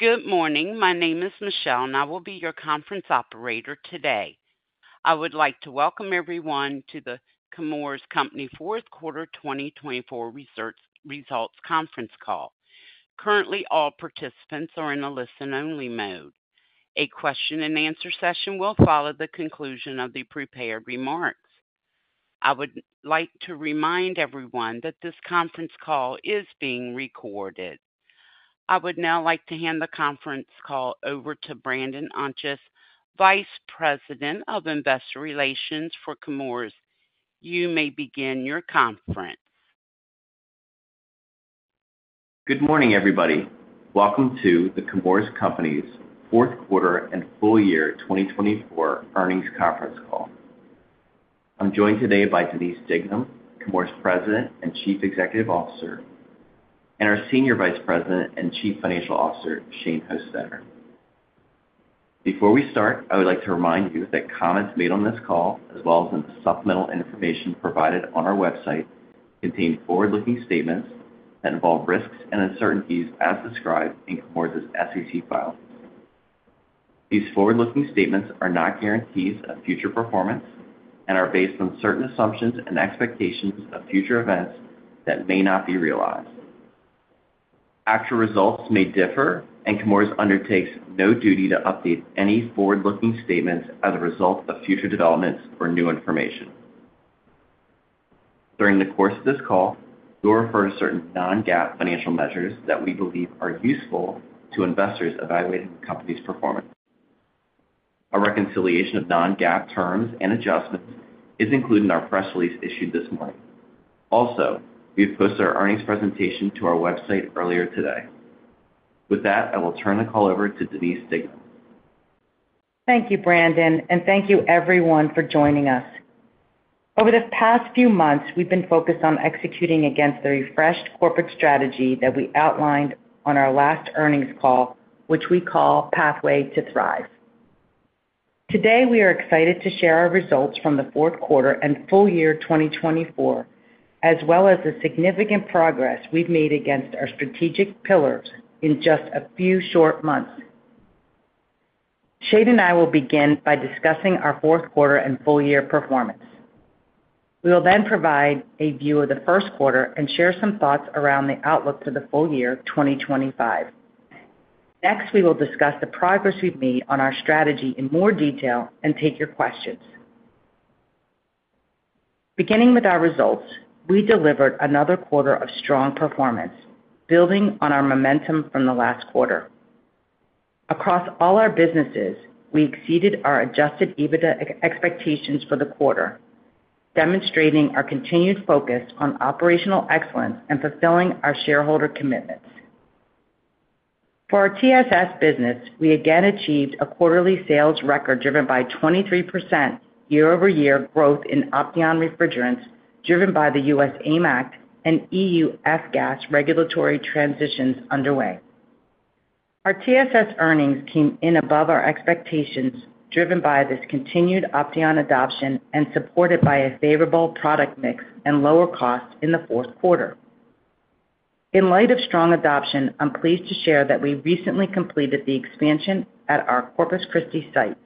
Good morning. My name is Michelle, and I will be your conference operator today. I would like to welcome everyone to the Chemours Company Q4 2024 Results Conference Call. Currently, all participants are in a listen-only mode. A question-and-answer session will follow the conclusion of the prepared remarks. I would like to remind everyone that this conference call is being recorded. I would now like to hand the conference call over to Brandon Ontjes, Vice President of Investor Relations for Chemours. You may begin your conference. Good morning, everybody. Welcome to the Chemours Company's Q4 and Full Year 2024 Earnings Conference Call. I'm joined today by Denise Dignam, Chemours President and Chief Executive Officer, and our Senior Vice President and Chief Financial Officer, Shane Hostetter. Before we start, I would like to remind you that comments made on this call, as well as in the supplemental information provided on our website, contain forward-looking statements that involve risks and uncertainties as described in Chemours' SEC files. These forward-looking statements are not guarantees of future performance and are based on certain assumptions and expectations of future events that may not be realized. Actual results may differ, and Chemours undertakes no duty to update any forward-looking statements as a result of future developments or new information. During the course of this call, we'll refer to certain non-GAAP financial measures that we believe are useful to investors evaluating the company's performance. A reconciliation of non-GAAP terms and adjustments is included in our press release issued this morning. Also, we have posted our earnings presentation to our website earlier today. With that, I will turn the call over to Denise Dignam. Thank you, Brandon, and thank you, everyone, for joining us. Over the past few months, we've been focused on executing against the refreshed corporate strategy that we outlined on our last earnings call, which we call Pathway to Thrive. Today, we are excited to share our results from the Q4 and Full Year 2024, as well as the significant progress we've made against our strategic pillars in just a few short months. Shane and I will begin by discussing our Q4 and Full Year performance. We will then provide a view of the Q1 and share some thoughts around the outlook for the Full Year 2025. Next, we will discuss the progress we've made on our strategy in more detail and take your questions. Beginning with our results, we delivered another quarter of strong performance, building on our momentum from the last quarter. Across all our businesses, we exceeded our Adjusted EBITDA expectations for the quarter, demonstrating our continued focus on Operational Excellence and fulfilling our shareholder commitments. For our TSS business, we again achieved a quarterly sales record driven by 23% year-over-year growth in Opteon™ refrigerants, driven by the U.S. AIM Act and E.U. F-Gas regulatory transitions underway. Our TSS earnings came in above our expectations, driven by this continued Opteon™ adoption and supported by a favorable product mix and lower costs in the Q4. In light of strong adoption, I'm pleased to share that we recently completed the expansion at our Corpus Christi site,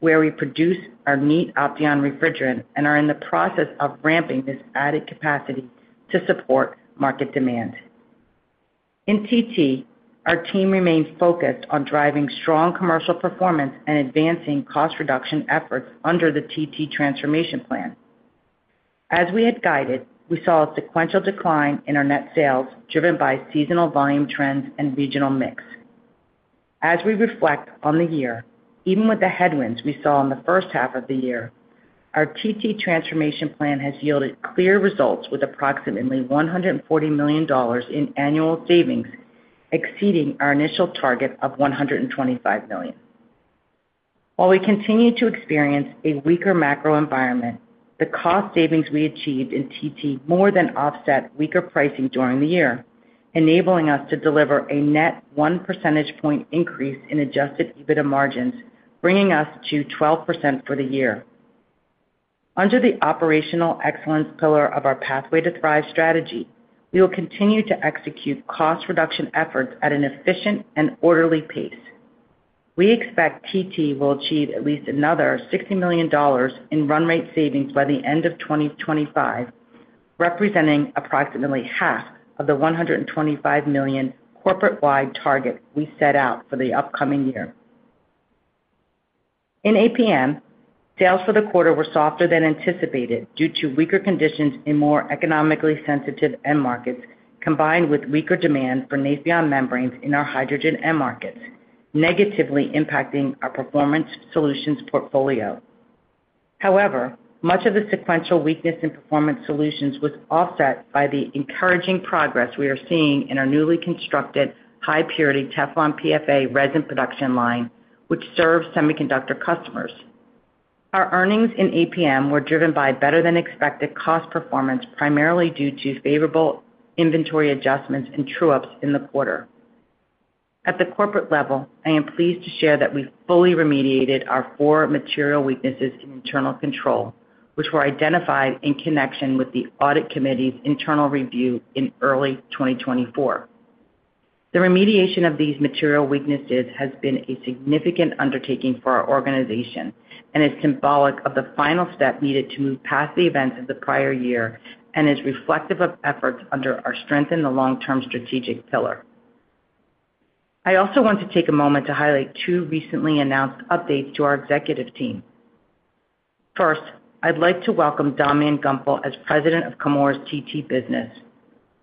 where we produce our neat Opteon™ refrigerant and are in the process of ramping this added capacity to support market demand. In TT, our team remained focused on driving strong commercial performance and advancing cost reduction efforts under the TT Transformation Plan. As we had guided, we saw a sequential decline in our net sales, driven by seasonal volume trends and regional mix. As we reflect on the year, even with the headwinds we saw in the first half of the year, our TT Transformation Plan has yielded clear results with approximately $140 million in annual savings, exceeding our initial target of $125 million. While we continue to experience a weaker macro environment, the cost savings we achieved in TT more than offset weaker pricing during the year, enabling us to deliver a net one percentage point increase in Adjusted EBITDA margins, bringing us to 12% for the year. Under the Operational Excellence pillar of our Pathway to Thrive strategy, we will continue to execute cost reduction efforts at an efficient and orderly pace. We expect TT will achieve at least another $60 million in run rate savings by the end of 2025, representing approximately half of the $125 million corporate-wide target we set out for the upcoming year. In APM, sales for the quarter were softer than anticipated due to weaker conditions in more economically sensitive end markets, combined with weaker demand for Nafion™ membranes in our hydrogen end markets, negatively impacting our Performance Solutions portfolio. However, much of the sequential weakness in performance solutions was offset by the encouraging progress we are seeing in our newly constructed high-purity Teflon™ PFA resin production line, which serves semiconductor customers. Our earnings in APM were driven by better-than-expected cost performance, primarily due to favorable inventory adjustments and true-ups in the quarter. At the corporate level, I am pleased to share that we fully remediated our four material weaknesses in internal control, which were identified in connection with the Audit Committee's internal review in early 2024. The remediation of these material weaknesses has been a significant undertaking for our organization and is symbolic of the final step needed to move past the events of the prior year and is reflective of efforts under our Strengthening the Long Term strategic pillar. I also want to take a moment to highlight two recently announced updates to our executive team. First, I'd like to welcome Damián Gumpel as President of Chemours TT Business.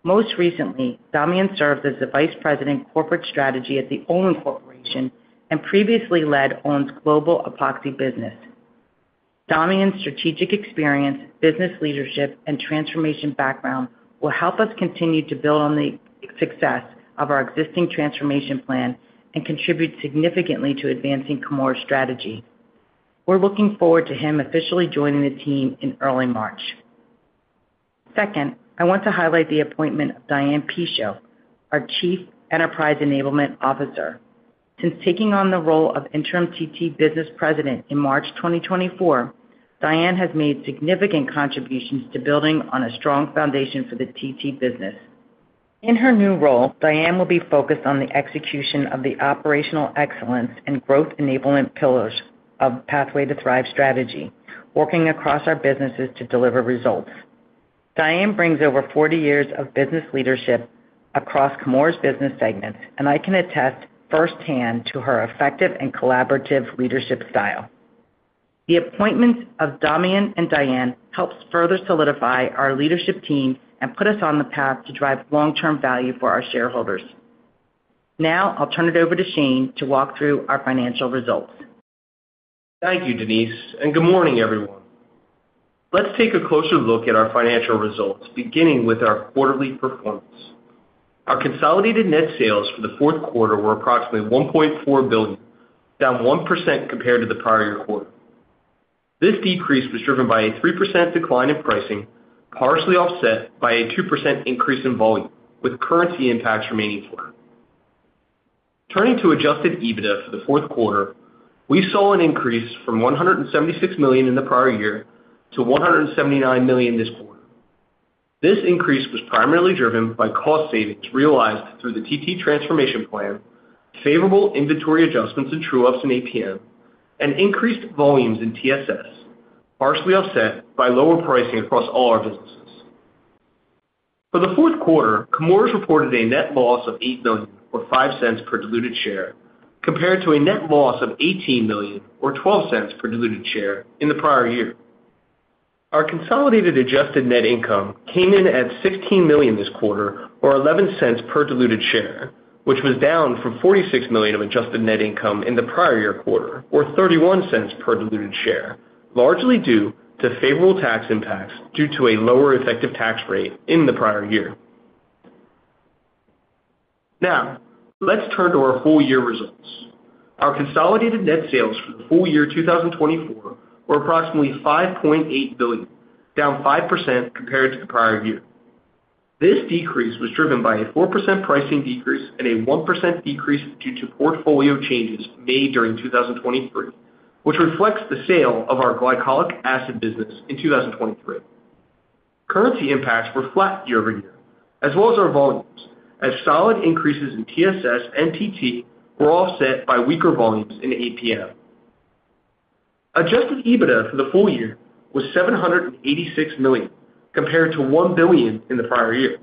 Most recently, Damián served as the Vice President Corporate Strategy at the Olin Corporation and previously led Olin's global epoxy business. Damián's strategic experience, business leadership, and transformation background will help us continue to build on the success of our existing transformation plan and contribute significantly to advancing Chemours' strategy. We're looking forward to him officially joining the team in early March. Second, I want to highlight the appointment of Diane Picho, our Chief Enterprise Enablement Officer. Since taking on the role of Interim TT Business President in March 2024, Diane has made significant contributions to building on a strong foundation for the TT business. In her new role, Diane will be focused on the execution of the operational excellence and growth enablement pillars of Pathway to Thrive Strategy, working across our businesses to deliver results. Diane brings over 40 years of business leadership across Chemours' business segments, and I can attest firsthand to her effective and collaborative leadership style. The appointments of Damián and Diane help further solidify our leadership team and put us on the path to drive long-term value for our shareholders. Now, I'll turn it over to Shane to walk through our financial results. Thank you, Denise, and good morning, everyone. Let's take a closer look at our financial results, beginning with our quarterly performance. Our consolidated net sales for the Q4 were approximately $1.4 billion, down 1% compared to the prior quarter. This decrease was driven by a 3% decline in pricing, partially offset by a 2% increase in volume, with currency impacts remaining for it. Turning to Adjusted EBITDA for the Q4, we saw an increase from $176 million in the prior year to $179 million this quarter. This increase was primarily driven by cost savings realized through the TT Transformation Plan, favorable inventory adjustments and true-ups in APM, and increased volumes in TSS, partially offset by lower pricing across all our businesses. For the Q4, Chemours reported a net loss of $8 million, or $0.05 per diluted share, compared to a net loss of $18 million, or $0.12 per diluted share, in the prior year. Our consolidated Adjusted Net Income came in at $16 million this quarter, or $0.11 per diluted share, which was down from $46 million of Adjusted Net Income in the prior-year quarter, or $0.31 per diluted share, largely due to favorable tax impacts due to a lower effective tax rate in the prior year. Now, let's turn to our full-year results. Our consolidated net sales for the full year 2024 were approximately $5.8 billion, down 5% compared to the prior year. This decrease was driven by a 4% pricing decrease and a 1% decrease due to portfolio changes made during 2023, which reflects the sale of our glycolic acid business in 2023. Currency impacts were flat year-over-year, as well as our volumes, as solid increases in TSS and TT were offset by weaker volumes in APM. Adjusted EBITDA for the full year was $786 million, compared to $1 billion in the prior year.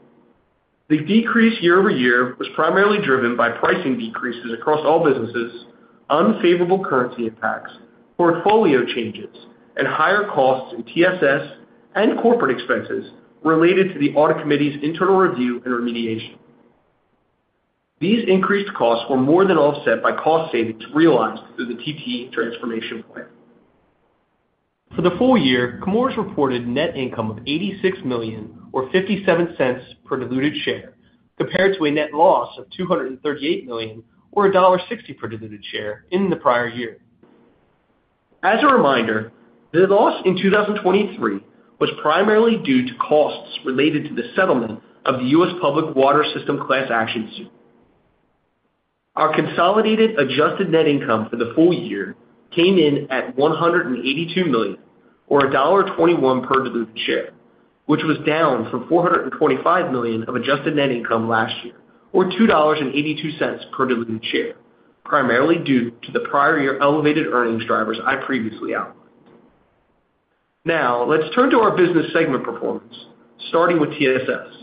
The decrease year-over-year was primarily driven by pricing decreases across all businesses, unfavorable currency impacts, portfolio changes, and higher costs in TSS and corporate expenses related to the audit committee's internal review and remediation. These increased costs were more than offset by cost savings realized through the TT Transformation Plan. For the full year, Chemours reported net income of $86 million, or $0.57 per diluted share, compared to a net loss of $238 million, or $1.60 per diluted share, in the prior year. As a reminder, the loss in 2023 was primarily due to costs related to the settlement of the U.S. Public Water System Class Action Suit. Our consolidated Adjusted Net Income for the full year came in at $182 million, or $1.21 per diluted share, which was down from $425 million of Adjusted Net Income last year, or $2.82 per diluted share, primarily due to the prior year elevated earnings drivers I previously outlined. Now, let's turn to our business segment performance, starting with TSS.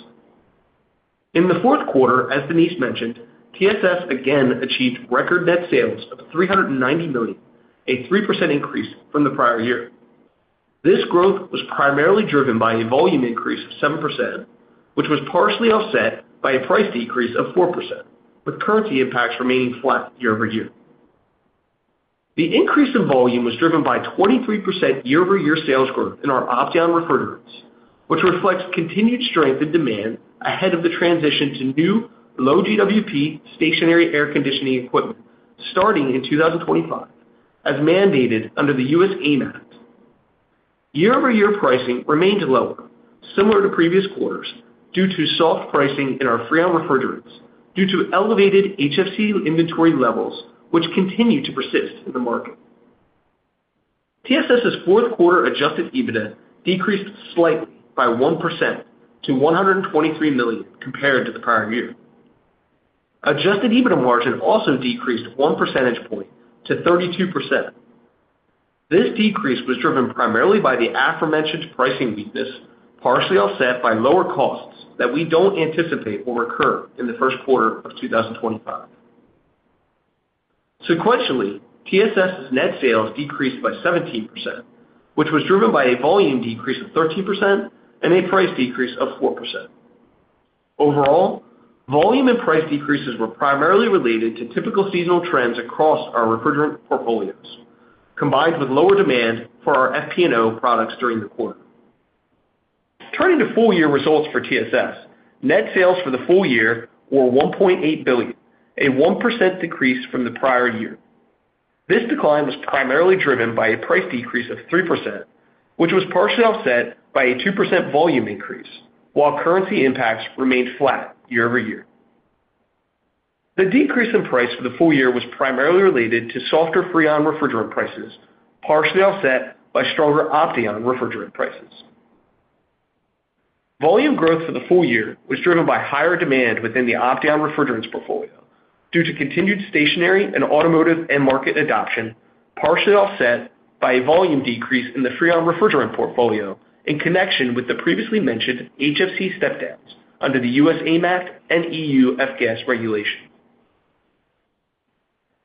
In the Q4, as Denise mentioned, TSS again achieved record net sales of $390 million, a 3% increase from the prior year. This growth was primarily driven by a volume increase of 7%, which was partially offset by a price decrease of 4%, with currency impacts remaining flat year-over-year. The increase in volume was driven by 23% year-over-year sales growth in our Opteon™ refrigerants, which reflects continued strength in demand ahead of the transition to new low-GWP stationary air conditioning equipment starting in 2025, as mandated under the U.S. AIM Act. Year-over-year pricing remained lower, similar to previous quarters, due to soft pricing in our Freon™ refrigerants due to elevated HFC inventory levels, which continue to persist in the market. TSS's Q4 Adjusted EBITDA decreased slightly by 1% to $123 million compared to the prior year. Adjusted EBITDA margin also decreased one percentage point to 32%. This decrease was driven primarily by the aforementioned pricing weakness, partially offset by lower costs that we don't anticipate will recur in the Q1 of 2025. Sequentially, TSS's net sales decreased by 17%, which was driven by a volume decrease of 13% and a price decrease of 4%. Overall, volume and price decreases were primarily related to typical seasonal trends across our refrigerant portfolios, combined with lower demand for our FP&O products during the quarter. Turning to full-year results for TSS, net sales for the full year were $1.8 billion, a 1% decrease from the prior year. This decline was primarily driven by a price decrease of 3%, which was partially offset by a 2% volume increase, while currency impacts remained flat year-over-year. The decrease in price for the full year was primarily related to softer Freon™ refrigerant prices, partially offset by stronger Opteon™ refrigerant prices. Volume growth for the full year was driven by higher demand within the Opteon™ refrigerants portfolio due to continued stationary and automotive end-market adoption, partially offset by a volume decrease in the Freon™ refrigerant portfolio in connection with the previously mentioned HFC step-downs under the U.S. AIM Act and E.U. F-Gas regulation.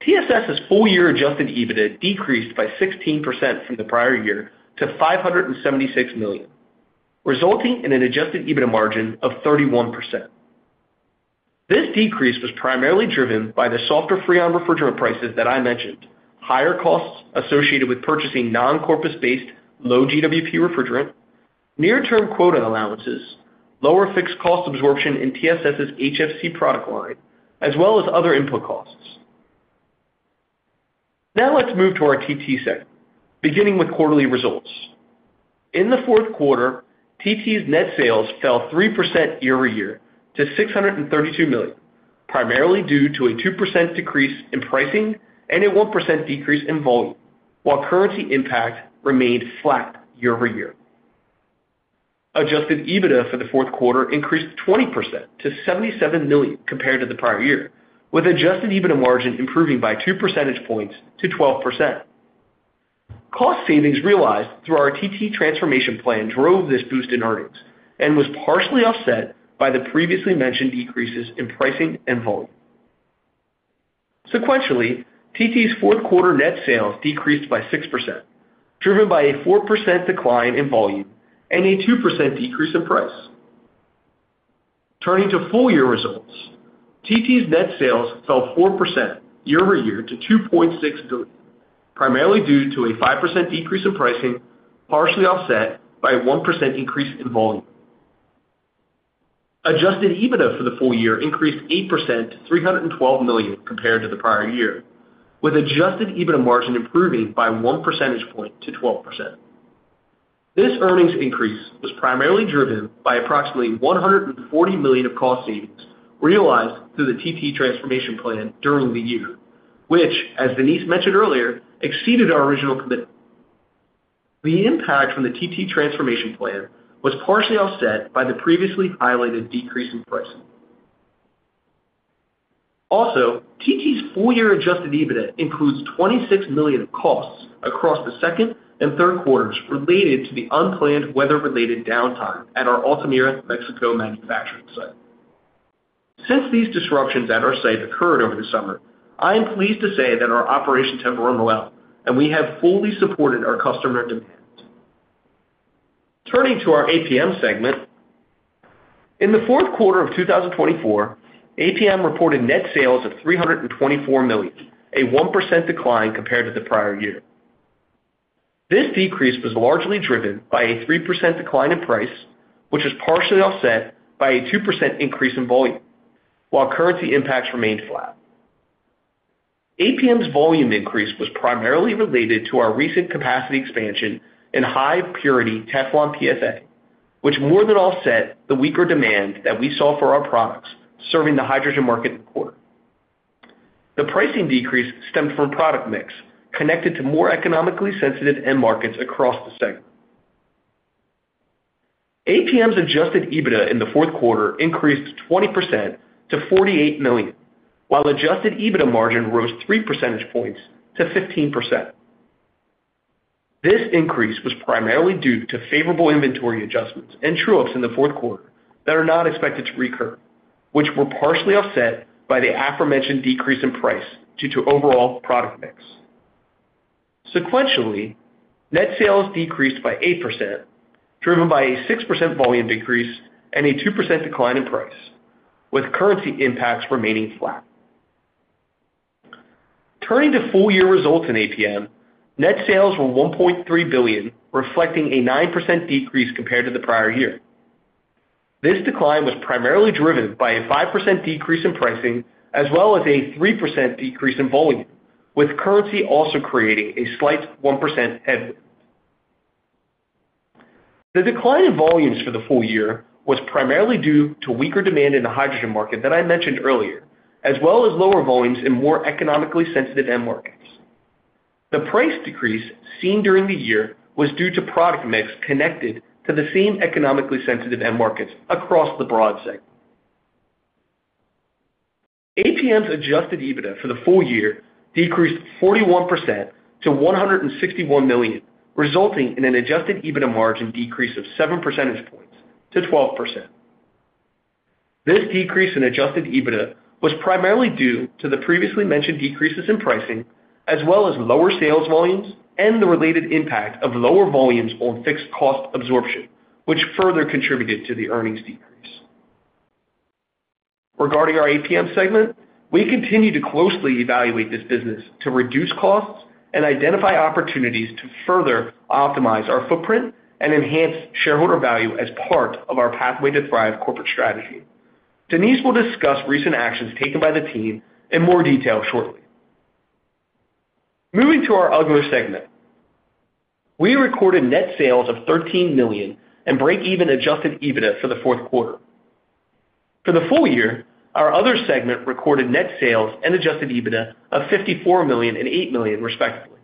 TSS's full-year Adjusted EBITDA decreased by 16% from the prior year to $576 million, resulting in an Adjusted EBITDA margin of 31%. This decrease was primarily driven by the softer Freon™ refrigerant prices that I mentioned, higher costs associated with purchasing non-Corpus Christi-based low-GWP refrigerant, near-term quota allowances, lower fixed-cost absorption in TSS's HFC product line, as well as other input costs. Now, let's move to our TT segment, beginning with quarterly results. In the Q4, TT's net sales fell 3% year-over-year to $632 million, primarily due to a 2% decrease in pricing and a 1% decrease in volume, while currency impact remained flat year-over-year. Adjusted EBITDA for the Q4 increased 20% to $77 million compared to the prior year, with Adjusted EBITDA margin improving by two percentage points to 12%. Cost savings realized through our TT Transformation Plan drove this boost in earnings and was partially offset by the previously mentioned decreases in pricing and volume. Sequentially, TT's Q4 net sales decreased by 6%, driven by a 4% decline in volume and a 2% decrease in price. Turning to full-year results, TT's net sales fell 4% year-over-year to $2.6 billion, primarily due to a 5% decrease in pricing, partially offset by a 1% increase in volume. Adjusted EBITDA for the full year increased 8% to $312 million compared to the prior year, with Adjusted EBITDA margin improving by one percentage point to 12%. This earnings increase was primarily driven by approximately $140 million of cost savings realized through the TT Transformation Plan during the year, which, as Denise mentioned earlier, exceeded our original commitment. The impact from the TT transformation plan was partially offset by the previously highlighted decrease in pricing. Also, TT's full-year Adjusted EBITDA includes $26 million of costs across the Q2 and Q3 related to the unplanned weather-related downtime at our Altamira, Mexico manufacturing site. Since these disruptions at our site occurred over the summer, I am pleased to say that our operations have run well, and we have fully supported our customer demand. Turning to our APM segment, in the Q4 of 2024, APM reported net sales of $324 million, a 1% decline compared to the prior year. This decrease was largely driven by a 3% decline in price, which was partially offset by a 2% increase in volume, while currency impacts remained flat. APM's volume increase was primarily related to our recent capacity expansion in high-purity Teflon™ PFA, which more than offset the weaker demand that we saw for our products serving the hydrogen market in the quarter. The pricing decrease stemmed from product mix connected to more economically sensitive end markets across the segment. APM's Adjusted EBITDA in the Q4 increased 20% to $48 million, while Adjusted EBITDA margin rose three percentage points to 15%. This increase was primarily due to favorable inventory adjustments and true-ups in the Q4 that are not expected to recur, which were partially offset by the aforementioned decrease in price due to overall product mix. Sequentially, net sales decreased by 8%, driven by a 6% volume decrease and a 2% decline in price, with currency impacts remaining flat. Turning to full-year results in APM, net sales were $1.3 billion, reflecting a 9% decrease compared to the prior year. This decline was primarily driven by a 5% decrease in pricing, as well as a 3% decrease in volume, with currency also creating a slight 1% headwind. The decline in volumes for the full year was primarily due to weaker demand in the hydrogen market that I mentioned earlier, as well as lower volumes in more economically sensitive end markets. The price decrease seen during the year was due to product mix connected to the same economically sensitive end markets across the broad segment. APM's Adjusted EBITDA for the full year decreased 41% to $161 million, resulting in an Adjusted EBITDA margin decrease of seven percentage points to 12%. This decrease in Adjusted EBITDA was primarily due to the previously mentioned decreases in pricing, as well as lower sales volumes and the related impact of lower volumes on fixed cost absorption, which further contributed to the earnings decrease. Regarding our APM segment, we continue to closely evaluate this business to reduce costs and identify opportunities to further optimize our footprint and enhance shareholder value as part of our Pathway to Thrive corporate strategy. Denise will discuss recent actions taken by the team in more detail shortly. Moving to our other segment, we recorded net sales of $13 million and break-even Adjusted EBITDA for the Q4. For the full year, our other segment recorded net sales and Adjusted EBITDA of $54 million and $8 million, respectively.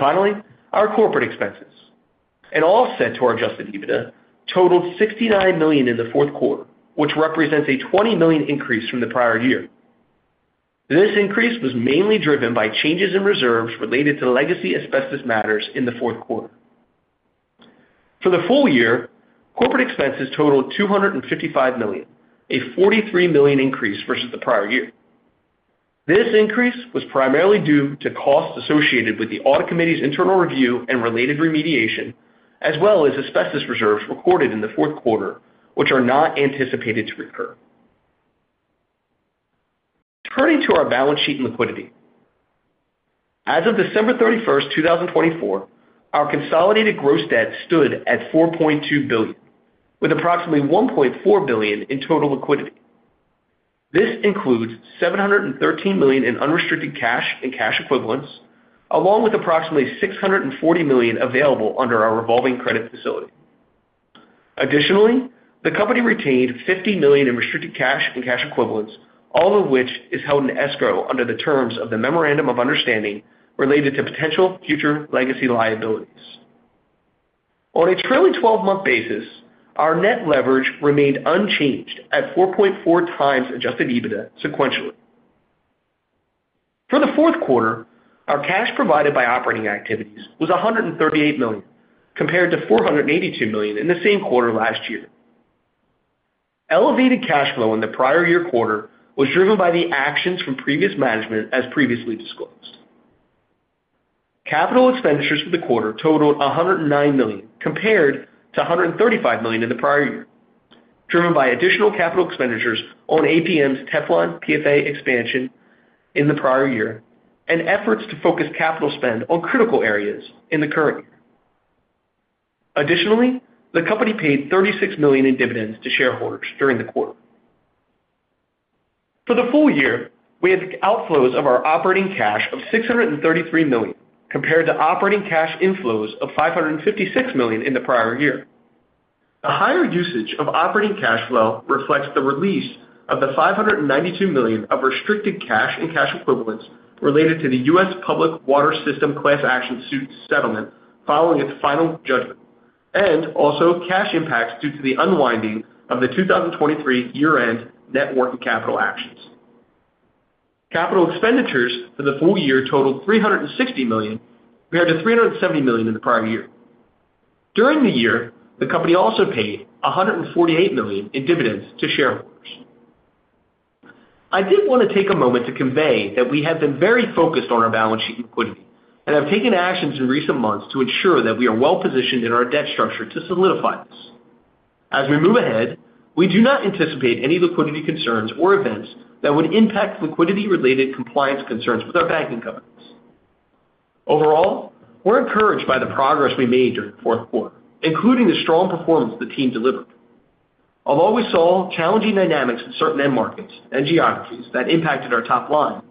Finally, our corporate expenses, an offset to our Adjusted EBITDA, totaled $69 million in the Q4, which represents a $20 million increase from the prior year. This increase was mainly driven by changes in reserves related to legacy asbestos matters in the Q4. For the full year, corporate expenses totaled $255 million, a $43 million increase versus the prior year. This increase was primarily due to costs associated with the audit committee's internal review and related remediation, as well as asbestos reserves recorded in the Q4, which are not anticipated to recur. Turning to our balance sheet and liquidity, as of 31 December 2024, our consolidated gross debt stood at $4.2 billion, with approximately $1.4 billion in total liquidity. This includes $713 million in unrestricted cash and cash equivalents, along with approximately $640 million available under our revolving credit facility. Additionally, the company retained $50 million in restricted cash and cash equivalents, all of which is held in escrow under the terms of the memorandum of understanding related to potential future legacy liabilities. On a trailing 12-month basis, our net leverage remained unchanged at 4.4 times Adjusted EBITDA sequentially. For the Q4, our cash provided by operating activities was $138 million, compared to $482 million in the same quarter last year. Elevated cash flow in the prior year quarter was driven by the actions from previous management, as previously disclosed. Capital expenditures for the quarter totaled $109 million compared to $135 million in the prior year, driven by additional capital expenditures on APM's Teflon™ PFA expansion in the prior year and efforts to focus capital spend on critical areas in the current year. Additionally, the company paid $36 million in dividends to shareholders during the quarter. For the full year, we had outflows of our operating cash of $633 million compared to operating cash inflows of $556 million in the prior year. The higher usage of operating cash flow reflects the release of the $592 million of restricted cash and cash equivalents related to the U.S. Public Water System Class Action Suit settlement following its final judgment, and also cash impacts due to the unwinding of the 2023 year-end networking capital actions. Capital expenditures for the full year totaled $360 million compared to $370 million in the prior year. During the year, the company also paid $148 million in dividends to shareholders. I did want to take a moment to convey that we have been very focused on our balance sheet liquidity and have taken actions in recent months to ensure that we are well-positioned in our debt structure to solidify this. As we move ahead, we do not anticipate any liquidity concerns or events that would impact liquidity-related compliance concerns with our banking companies. Overall, we're encouraged by the progress we made during the Q4, including the strong performance the team delivered. Although we saw challenging dynamics in certain end markets and geographies that impacted our top line,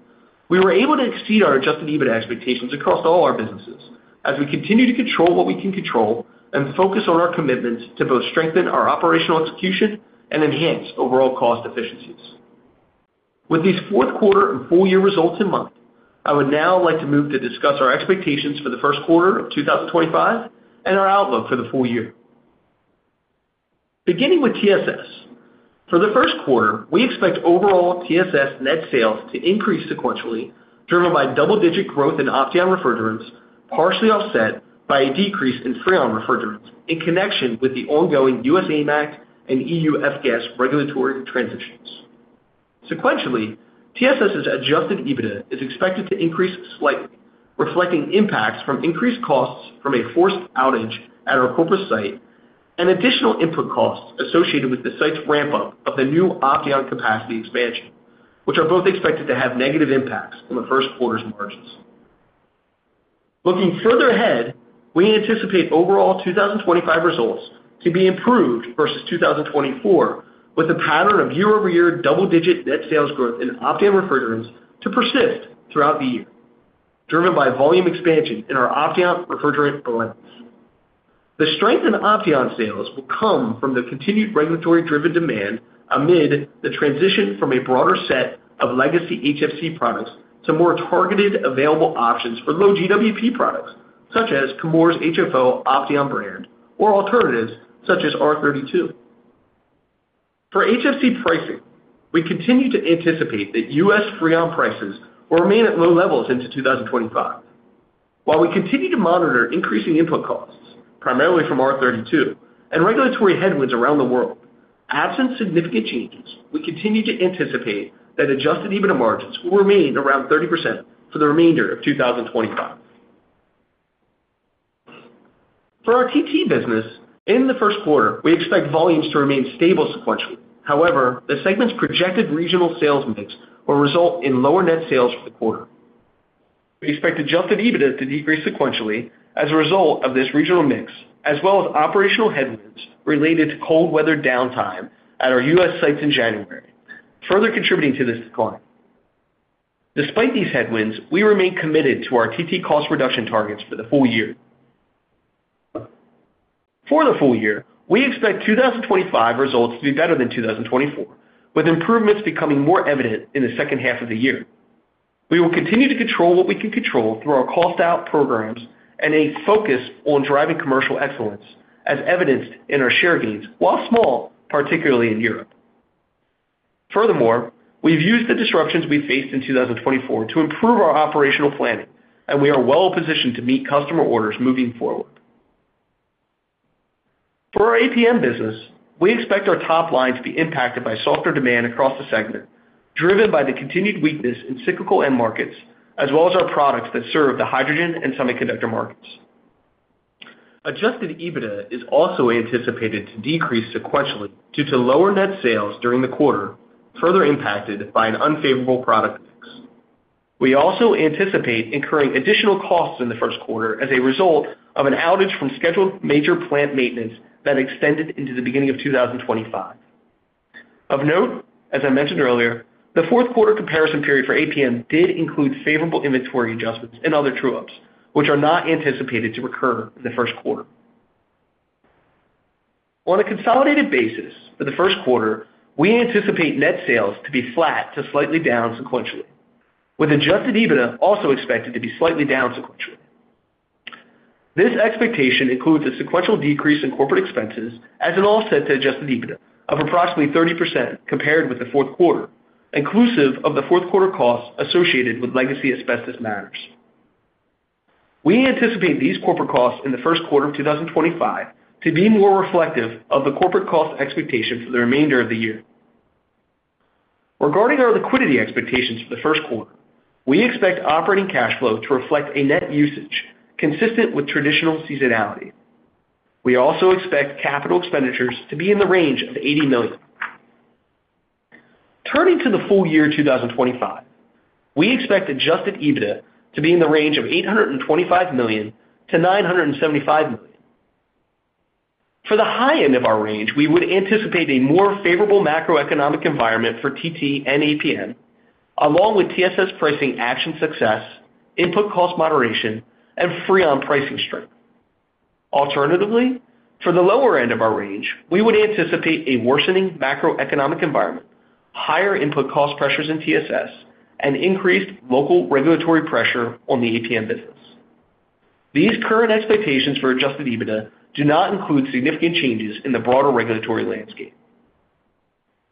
we were able to exceed our Adjusted EBITDA expectations across all our businesses as we continue to control what we can control and focus on our commitments to both strengthen our operational execution and enhance overall cost efficiencies. With these Q4 and full-year results in mind, I would now like to move to discuss our expectations for the Q1 of 2025 and our outlook for the full year. Beginning with TSS, for the Q1, we expect overall TSS net sales to increase sequentially, driven by double-digit growth in Opteon™ refrigerants, partially offset by a decrease in Freon™ refrigerants in connection with the ongoing U.S. AIM Act and E.U. F-Gas regulatory transitions. Sequentially, TSS's Adjusted EBITDA is expected to increase slightly, reflecting impacts from increased costs from a forced outage at our corporate site and additional input costs associated with the site's ramp-up of the new Opteon™ capacity expansion, which are both expected to have negative impacts on the Q1's margins. Looking further ahead, we anticipate overall 2025 results to be improved versus 2024, with a pattern of year-over-year double-digit net sales growth in Opteon™ refrigerants to persist throughout the year, driven by volume expansion in our Opteon™ refrigerant blends. The strength in Opteon™ sales will come from the continued regulatory-driven demand amid the transition from a broader set of legacy HFC products to more targeted available options for low-GWP products, such as Chemours HFO Opteon™ brand or alternatives such as R-32. For HFC pricing, we continue to anticipate that U.S. Freon™ prices will remain at low levels into 2025. While we continue to monitor increasing input costs, primarily from R-32, and regulatory headwinds around the world, absent significant changes, we continue to anticipate that Adjusted EBITDA margins will remain around 30% for the remainder of 2025.For our TT business, in the Q1, we expect volumes to remain stable sequentially. However, the segment's projected regional sales mix will result in lower net sales for the quarter. We expect Adjusted EBITDA to decrease sequentially as a result of this regional mix, as well as operational headwinds related to cold weather downtime at our U.S. sites in January, further contributing to this decline. Despite these headwinds, we remain committed to our TT cost reduction targets for the full year. For the full year, we expect 2025 results to be better than 2024, with improvements becoming more evident in the second half of the year. We will continue to control what we can control through our cost-out programs and a focus on driving commercial excellence, as evidenced in our share gains, while small, particularly in Europe. Furthermore, we've used the disruptions we faced in 2024 to improve our operational planning, and we are well-positioned to meet customer orders moving forward. For our APM business, we expect our top line to be impacted by softer demand across the segment, driven by the continued weakness in cyclical end markets, as well as our products that serve the hydrogen and semiconductor markets. Adjusted EBITDA is also anticipated to decrease sequentially due to lower net sales during the quarter, further impacted by an unfavorable product mix. We also anticipate incurring additional costs in the Q1 as a result of an outage from scheduled major plant maintenance that extended into the beginning of 2025. Of note, as I mentioned earlier, the Q4 comparison period for APM did include favorable inventory adjustments and other true-ups, which are not anticipated to recur in the Q1. On a consolidated basis for the Q1, we anticipate net sales to be flat to slightly down sequentially, with Adjusted EBITDA also expected to be slightly down sequentially. This expectation includes a sequential decrease in corporate expenses as an offset to Adjusted EBITDA of approximately 30% compared with the Q4, inclusive of the Q4 costs associated with legacy asbestos matters. We anticipate these corporate costs in the Q1 of 2025 to be more reflective of the corporate cost expectation for the remainder of the year. Regarding our liquidity expectations for the Q1, we expect operating cash flow to reflect a net usage consistent with traditional seasonality. We also expect capital expenditures to be in the range of $80 million. Turning to the full year 2025, we expect Adjusted EBITDA to be in the range of $825 to 975 million. For the high end of our range, we would anticipate a more favorable macroeconomic environment for TT and APM, along with TSS pricing action success, input cost moderation, and Freon™ pricing strength. Alternatively, for the lower end of our range, we would anticipate a worsening macroeconomic environment, higher input cost pressures in TSS, and increased local regulatory pressure on the APM business. These current expectations for Adjusted EBITDA do not include significant changes in the broader regulatory landscape.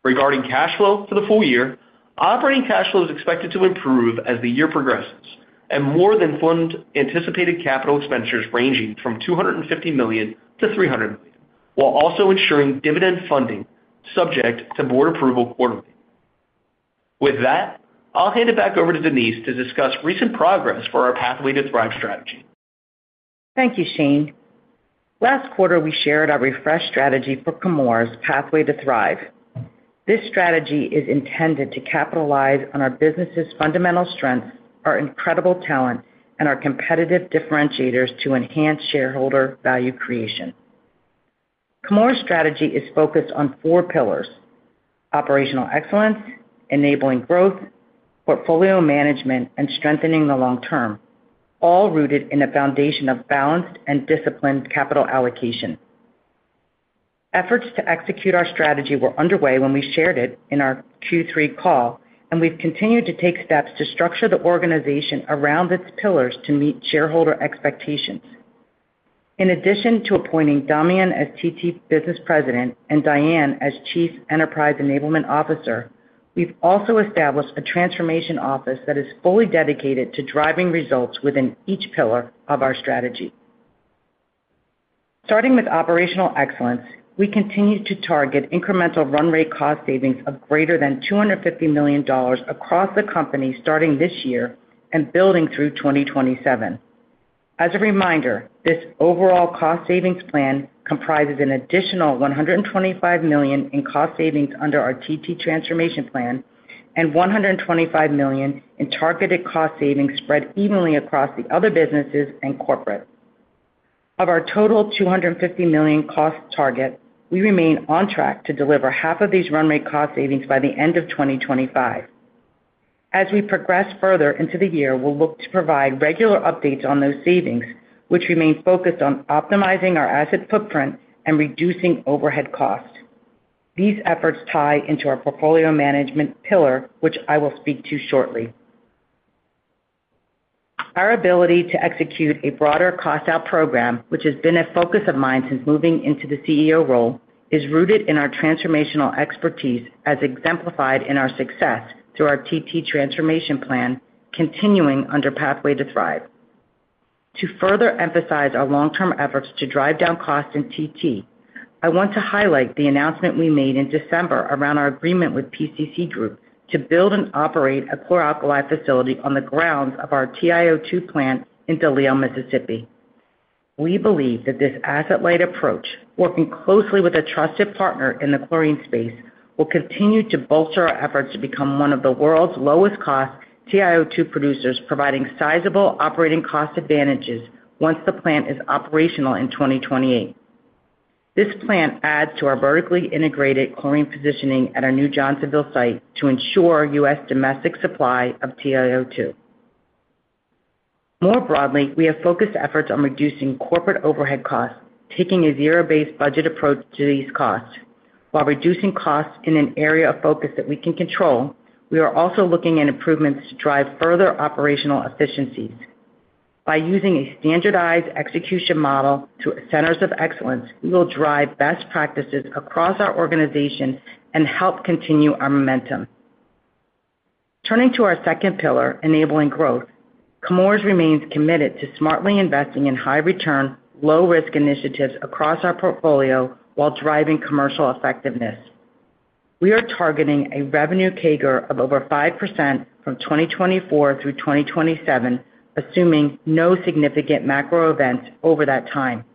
Regarding cash flow for the full year, operating cash flow is expected to improve as the year progresses and more than fund anticipated capital expenditures ranging from $250 to 300 million, while also ensuring dividend funding subject to Board approval quarterly. With that, I'll hand it back over to Denise to discuss recent progress for our Pathway to Thrive strategy. Thank you, Shane. Last quarter, we shared our refreshed strategy for Chemours' Pathway to Thrive. This strategy is intended to capitalize on our business's fundamental strengths, our incredible talent, and our competitive differentiators to enhance shareholder value creation. Chemours' strategy is focused on four pillars: Operational Excellence, Enabling Growth, Portfolio Management, and Strengthening the Long Term, all rooted in a foundation of balanced and disciplined capital allocation. Efforts to execute our strategy were underway when we shared it in our Q3 call, and we've continued to take steps to structure the organization around its pillars to meet shareholder expectations. In addition to appointing Damián as TT Business President and Diane as Chief Enterprise Enablement Officer, we've also established a transformation office that is fully dedicated to driving results within each pillar of our strategy. Starting with Operational Excellence, we continue to target incremental run rate cost savings of greater than $250 million across the company starting this year and building through 2027. As a reminder, this overall cost savings plan comprises an additional $125 million in cost savings under our TT Transformation Plan and $125 million in targeted cost savings spread evenly across the other businesses and corporate. Of our total $250 million cost target, we remain on track to deliver half of these run rate cost savings by the end of 2025. As we progress further into the year, we'll look to provide regular updates on those savings, which remain focused on optimizing our asset footprint and reducing overhead costs. These efforts tie into our Portfolio Management pillar, which I will speak to shortly. Our ability to execute a broader cost-out program, which has been a focus of mine since moving into the CEO role, is rooted in our transformational expertise, as exemplified in our success through our TT Transformation Plan continuing under Pathway to Thrive. To further emphasize our long-term efforts to drive down costs in TT, I want to highlight the announcement we made in December around our agreement with PCC Group to build and operate a chlor-alkali facility on the grounds of our TiO₂ plant in DeLisle, Mississippi. We believe that this asset-light approach, working closely with a trusted partner in the chlorine space, will continue to bolster our efforts to become one of the world's lowest-cost TiO₂ producers, providing sizable operating cost advantages once the plant is operational in 2028. This plant adds to our vertically integrated chlorine positioning at our New Johnsonville site to ensure U.S. domestic supply of TiO₂. More broadly, we have focused efforts on reducing corporate overhead costs, taking a zero-based budget approach to these costs. While reducing costs in an area of focus that we can control, we are also looking at improvements to drive further operational efficiencies. By using a standardized execution model through centers of excellence, we will drive best practices across our organization and help continue our momentum. Turning to our second pillar, Enabling Growth, Chemours remains committed to smartly investing in high-return, low-risk initiatives across our portfolio while driving commercial effectiveness. We are targeting a revenue CAGR of over 5% from 2024 through 2027, assuming no significant macro events over that time.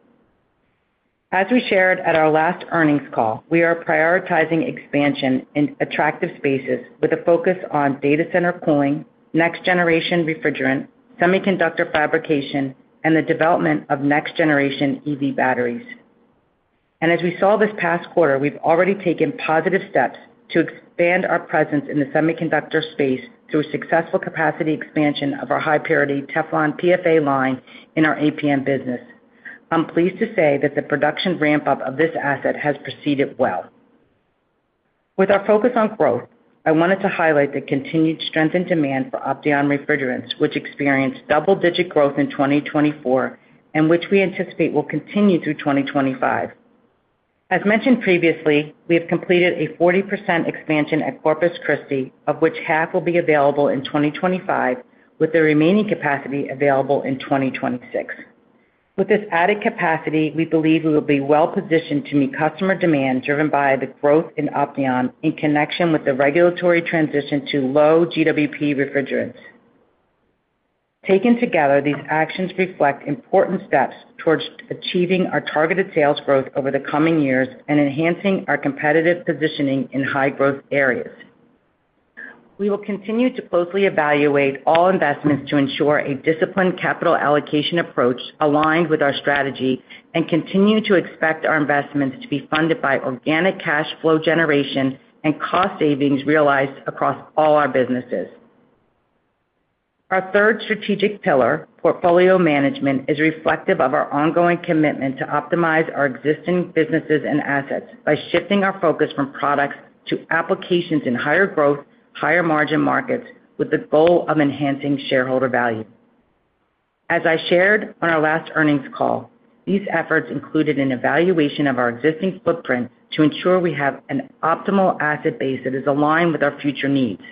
As we shared at our last earnings call, we are prioritizing expansion in attractive spaces with a focus on data center cooling, next-generation refrigerant, semiconductor fabrication, and the development of next-generation EV batteries. As we saw this past quarter, we've already taken positive steps to expand our presence in the semiconductor space through successful capacity expansion of our high-purity Teflon™ PFA line in our APM business. I'm pleased to say that the production ramp-up of this asset has proceeded well. With our focus on growth, I wanted to highlight the continued strength in demand for Opteon™ refrigerants, which experienced double-digit growth in 2024 and which we anticipate will continue through 2025. As mentioned previously, we have completed a 40% expansion at Corpus Christi, of which half will be available in 2025, with the remaining capacity available in 2026. With this added capacity, we believe we will be well-positioned to meet customer demand driven by the growth in Opteon™ in connection with the regulatory transition to low-GWP refrigerants. Taken together, these actions reflect important steps towards achieving our targeted sales growth over the coming years and enhancing our competitive positioning in high-growth areas. We will continue to closely evaluate all investments to ensure a disciplined capital allocation approach aligned with our strategy and continue to expect our investments to be funded by organic cash flow generation and cost savings realized across all our businesses. Our third strategic pillar, Portfolio Management, is reflective of our ongoing commitment to optimize our existing businesses and assets by shifting our focus from products to applications in higher-growth, higher-margin markets with the goal of enhancing shareholder value. As I shared on our last earnings call, these efforts included an evaluation of our existing footprint to ensure we have an optimal asset base that is aligned with our future needs.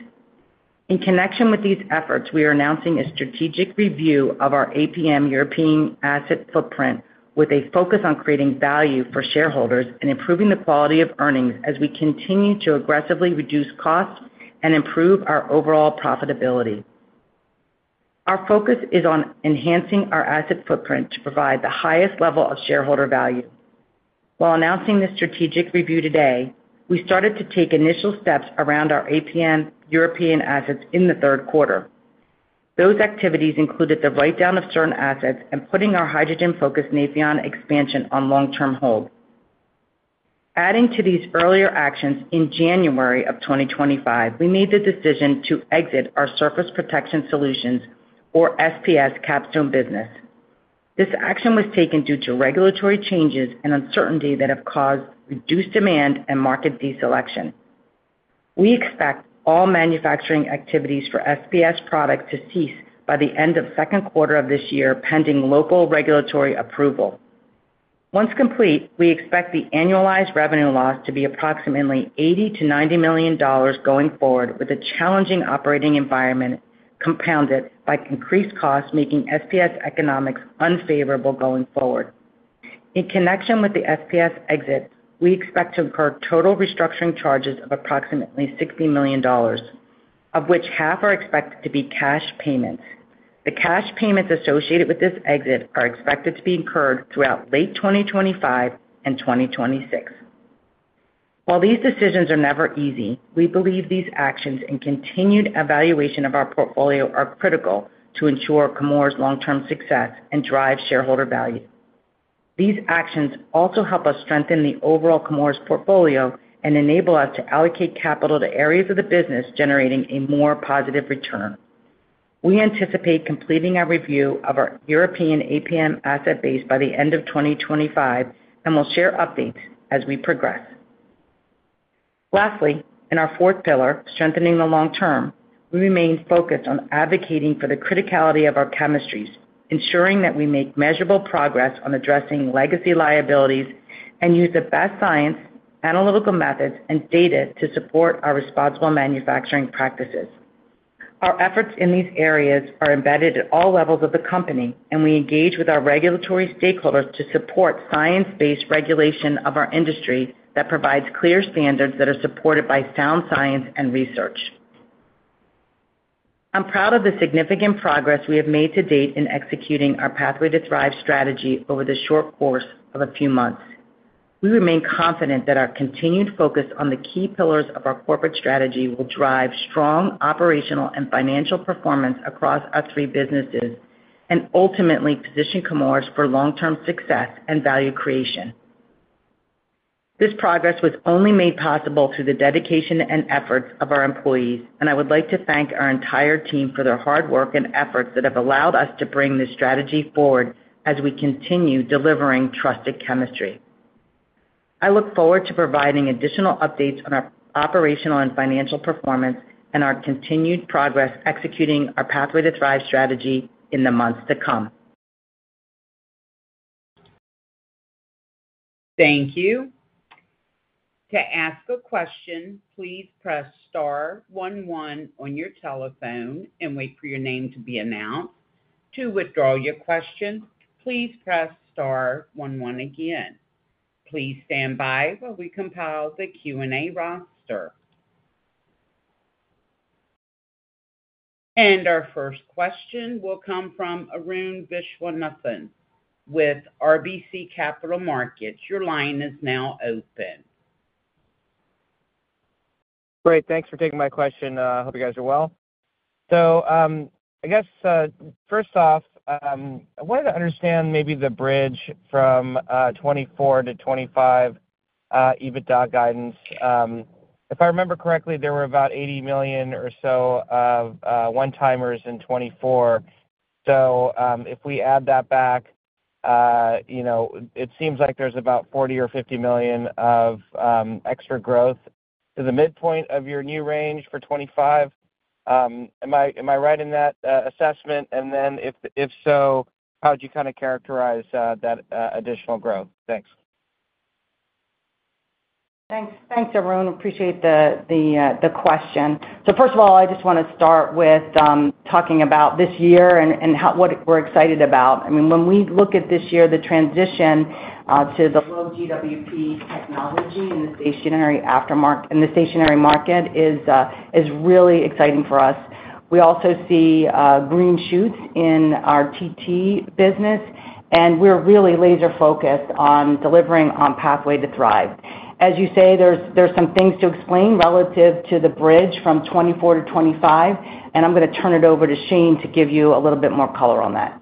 In connection with these efforts, we are announcing a strategic review of our APM European asset footprint with a focus on creating value for shareholders and improving the quality of earnings as we continue to aggressively reduce costs and improve our overall profitability. Our focus is on enhancing our asset footprint to provide the highest level of shareholder value. While announcing this strategic review today, we started to take initial steps around our APM European assets in the Q3. Those activities included the write-down of certain assets and putting our hydrogen-focused Nafion™ expansion on long-term hold. Adding to these earlier actions, in January 2025, we made the decision to exit our Surface Protection Solutions, or SPS, Capstone™ business. This action was taken due to regulatory changes and uncertainty that have caused reduced demand and market deselection. We expect all manufacturing activities for SPS products to cease by the end of the Q2 of this year pending local regulatory approval. Once complete, we expect the annualized revenue loss to be approximately $80 to 90 million going forward, with a challenging operating environment compounded by increased costs making SPS economics unfavorable going forward. In connection with the SPS exit, we expect to incur total restructuring charges of approximately $60 million, of which half are expected to be cash payments. The cash payments associated with this exit are expected to be incurred throughout late 2025 and 2026. While these decisions are never easy, we believe these actions and continued evaluation of our portfolio are critical to ensure Chemours' long-term success and drive shareholder value. These actions also help us strengthen the overall Chemours portfolio and enable us to allocate capital to areas of the business generating a more positive return. We anticipate completing our review of our European APM asset base by the end of 2025 and will share updates as we progress. Lastly, in our fourth pillar, Strengthening the Long Term, we remain focused on advocating for the criticality of our chemistries, ensuring that we make measurable progress on addressing legacy liabilities and use the best science, analytical methods, and data to support our responsible manufacturing practices. Our efforts in these areas are embedded at all levels of the company, and we engage with our regulatory stakeholders to support science-based regulation of our industry that provides clear standards that are supported by sound science and research. I'm proud of the significant progress we have made to date in executing our Pathway to Thrive strategy over the short course of a few months. We remain confident that our continued focus on the key pillars of our corporate strategy will drive strong operational and financial performance across our three businesses and ultimately position Chemours for long-term success and value creation. This progress was only made possible through the dedication and efforts of our employees, and I would like to thank our entire team for their hard work and efforts that have allowed us to bring this strategy forward as we continue delivering trusted chemistry. I look forward to providing additional updates on our operational and financial performance and our continued progress executing our Pathway to Thrive strategy in the months to come. Thank you. To ask a question, please press star one one on your telephone and wait for your name to be announced. To withdraw your question, please press star one one again. Please stand by while we compile the Q&A roster. And our first question will come from Arun Viswanathan with RBC Capital Markets. Your line is now open. Great. Thanks for taking my question. I hope you guys are well. So I guess, first off, I wanted to understand maybe the bridge from 2024 to 2025 EBITDA guidance. If I remember correctly, there were about $80 million or so of one-timers in 2024. So if we add that back, it seems like there's about $40 million or 50 million of extra growth. Is the midpoint of your new range for 2025? Am I right in that assessment? And then if so, how would you kind of characterize that additional growth? Thanks. Thanks, Arun. Appreciate the question. So first of all, I just want to start with talking about this year and what we're excited about. I mean, when we look at this year, the transition to the low-GWP technology in the stationary market is really exciting for us. We also see green shoots in our TT business, and we're really laser-focused on delivering on Pathway to Thrive. As you say, there's some things to explain relative to the bridge from 2024 to 2025, and I'm going to turn it over to Shane to give you a little bit more color on that.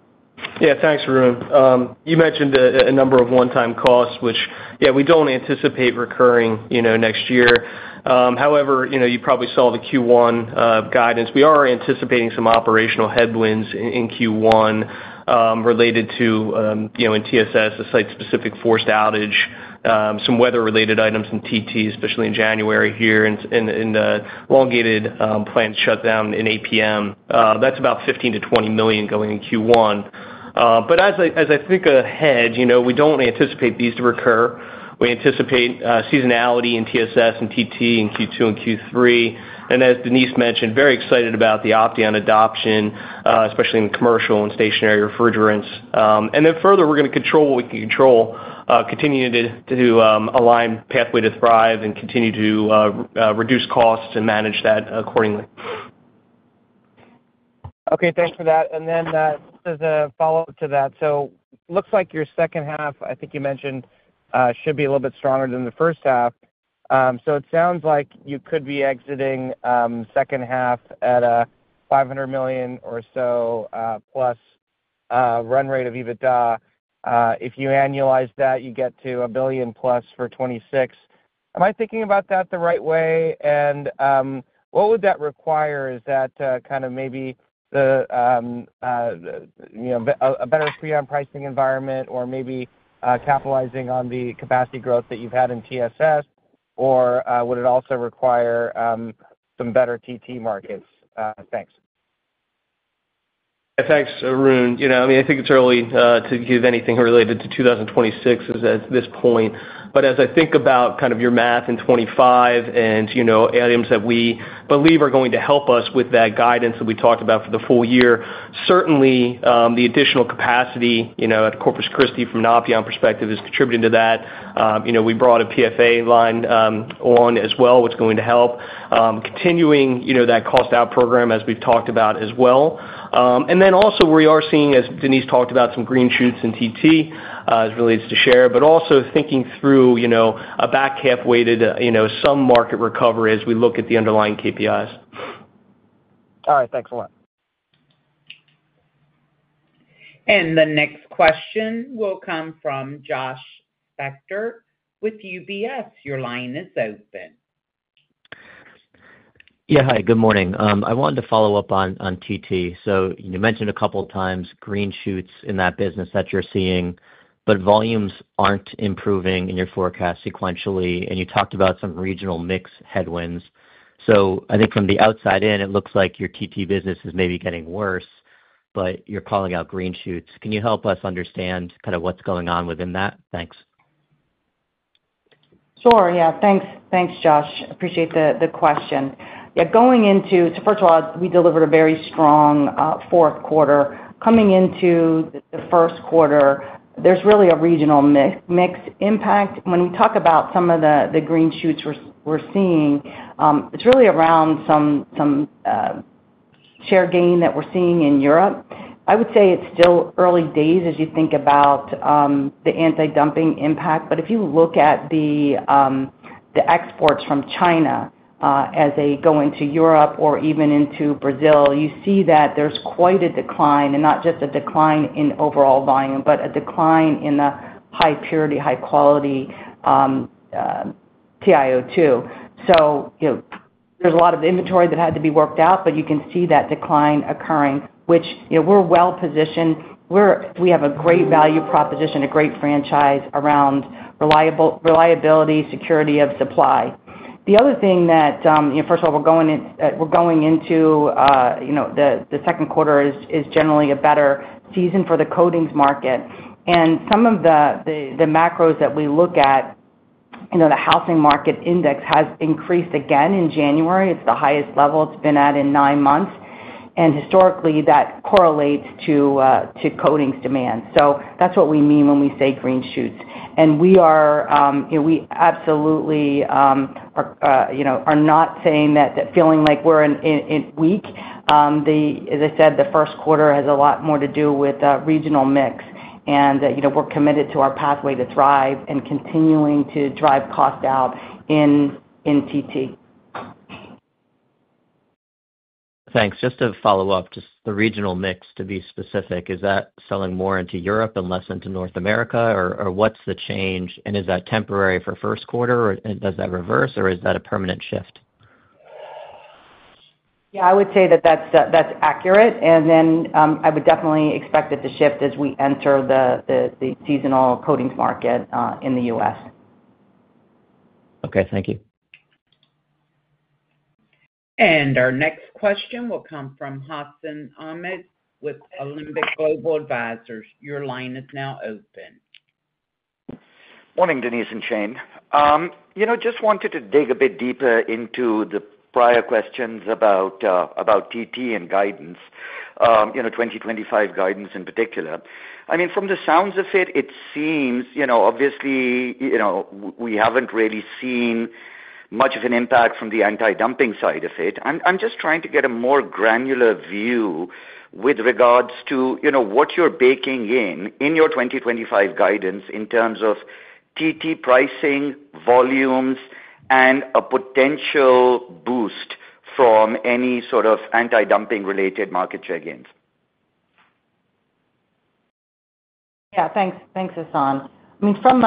Yeah. Thanks, Arun. You mentioned a number of one-time costs, which, yeah, we don't anticipate recurring next year. However, you probably saw the Q1 guidance. We are anticipating some operational headwinds in Q1 related to, in TSS, a site-specific forced outage, some weather-related items in TT, especially in January here, and elongated plant shutdown in APM. That's about $15 million to 20 million going in Q1. But as I think ahead, we don't anticipate these to recur. We anticipate seasonality in TSS and TT in Q2 and Q3. And as Denise mentioned, very excited about the Opteon™ adoption, especially in commercial and stationary refrigerants. And then further, we're going to control what we can control, continue to align Pathway to Thrive and continue to reduce costs and manage that accordingly. Okay. Thanks for that. And then as a follow-up to that, so it looks like your second half, I think you mentioned, should be a little bit stronger than the first half. So it sounds like you could be exiting second half at a $500 million or so plus run rate of EBITDA. If you annualize that, you get to a $1 billion plus for 2026. Am I thinking about that the right way? And what would that require? Is that kind of maybe a better Freon™ pricing environment or maybe capitalizing on the capacity growth that you've had in TSS? Or would it also require some better TT markets? Thanks. Thanks, Arun. I mean, I think it's early to give anything related to 2026 at this point. But as I think about kind of your math in 2025 and items that we believe are going to help us with that guidance that we talked about for the full year, certainly the additional capacity at Corpus Christi from an Opteon™ perspective is contributing to that. We brought a PFA line on as well, which is going to help continuing that cost-out program as we've talked about as well. And then also we are seeing, as Denise talked about, some green shoots in TT as relates to share, but also thinking through a back half weighted some market recovery as we look at the underlying KPIs. All right. Thanks a lot. And the next question will come from Josh Spector with UBS. Your line is open. Yeah. Hi. Good morning. I wanted to follow up on TT. So you mentioned a couple of times green shoots in that business that you're seeing, but volumes aren't improving in your forecast sequentially, and you talked about some regional mix headwinds. So I think from the outside in, it looks like your TT business is maybe getting worse, but you're calling out green shoots. Can you help us understand kind of what's going on within that? Thanks. Sure. Yeah. Thanks, Josh. Appreciate the question. Yeah. Going into so first of all, we delivered a very strong Q4. Coming into the Q1, there's really a regional mix impact. When we talk about some of the green shoots we're seeing, it's really around some share gain that we're seeing in Europe. I would say it's still early days as you think about the anti-dumping impact. But if you look at the exports from China as they go into Europe or even into Brazil, you see that there's quite a decline, and not just a decline in overall volume, but a decline in the high purity, high-quality TiO₂. So there's a lot of inventory that had to be worked out, but you can see that decline occurring, which we're well-positioned. We have a great value proposition, a great franchise around reliability, security of supply. The other thing that, first of all, we're going into the Q2 is generally a better season for the coatings market. Some of the macros that we look at, the housing market index has increased again in January. It's the highest level it's been at in nine months. Historically, that correlates to coatings demand. That's what we mean when we say green shoots. We absolutely are not saying that feeling like we're weak. As I said, the Q1 has a lot more to do with regional mix, and we're committed to our Pathway to Thrive and continuing to drive cost out in TT. Thanks. Just to follow up, just the regional mix, to be specific, is that selling more into Europe and less into North America, or what's the change? And is that temporary for Q1, or does that reverse, or is that a permanent shift? Yeah. I would say that that's accurate. And then I would definitely expect it to shift as we enter the seasonal coatings market in the U.S. Okay. Thank you. And our next question will come from Hassan Ahmed with Alembic Global Advisors. Your line is now open. Morning, Denise and Shane. Just wanted to dig a bit deeper into the prior questions about TT and guidance, 2025 guidance in particular. I mean, from the sounds of it, it seems obviously we haven't really seen much of an impact from the anti-dumping side of it. I'm just trying to get a more granular view with regards to what you're baking in your 2025 guidance in terms of TT pricing, volumes, and a potential boost from any sort of anti-dumping-related market share gains. Yeah. Thanks, Hassan. I mean, from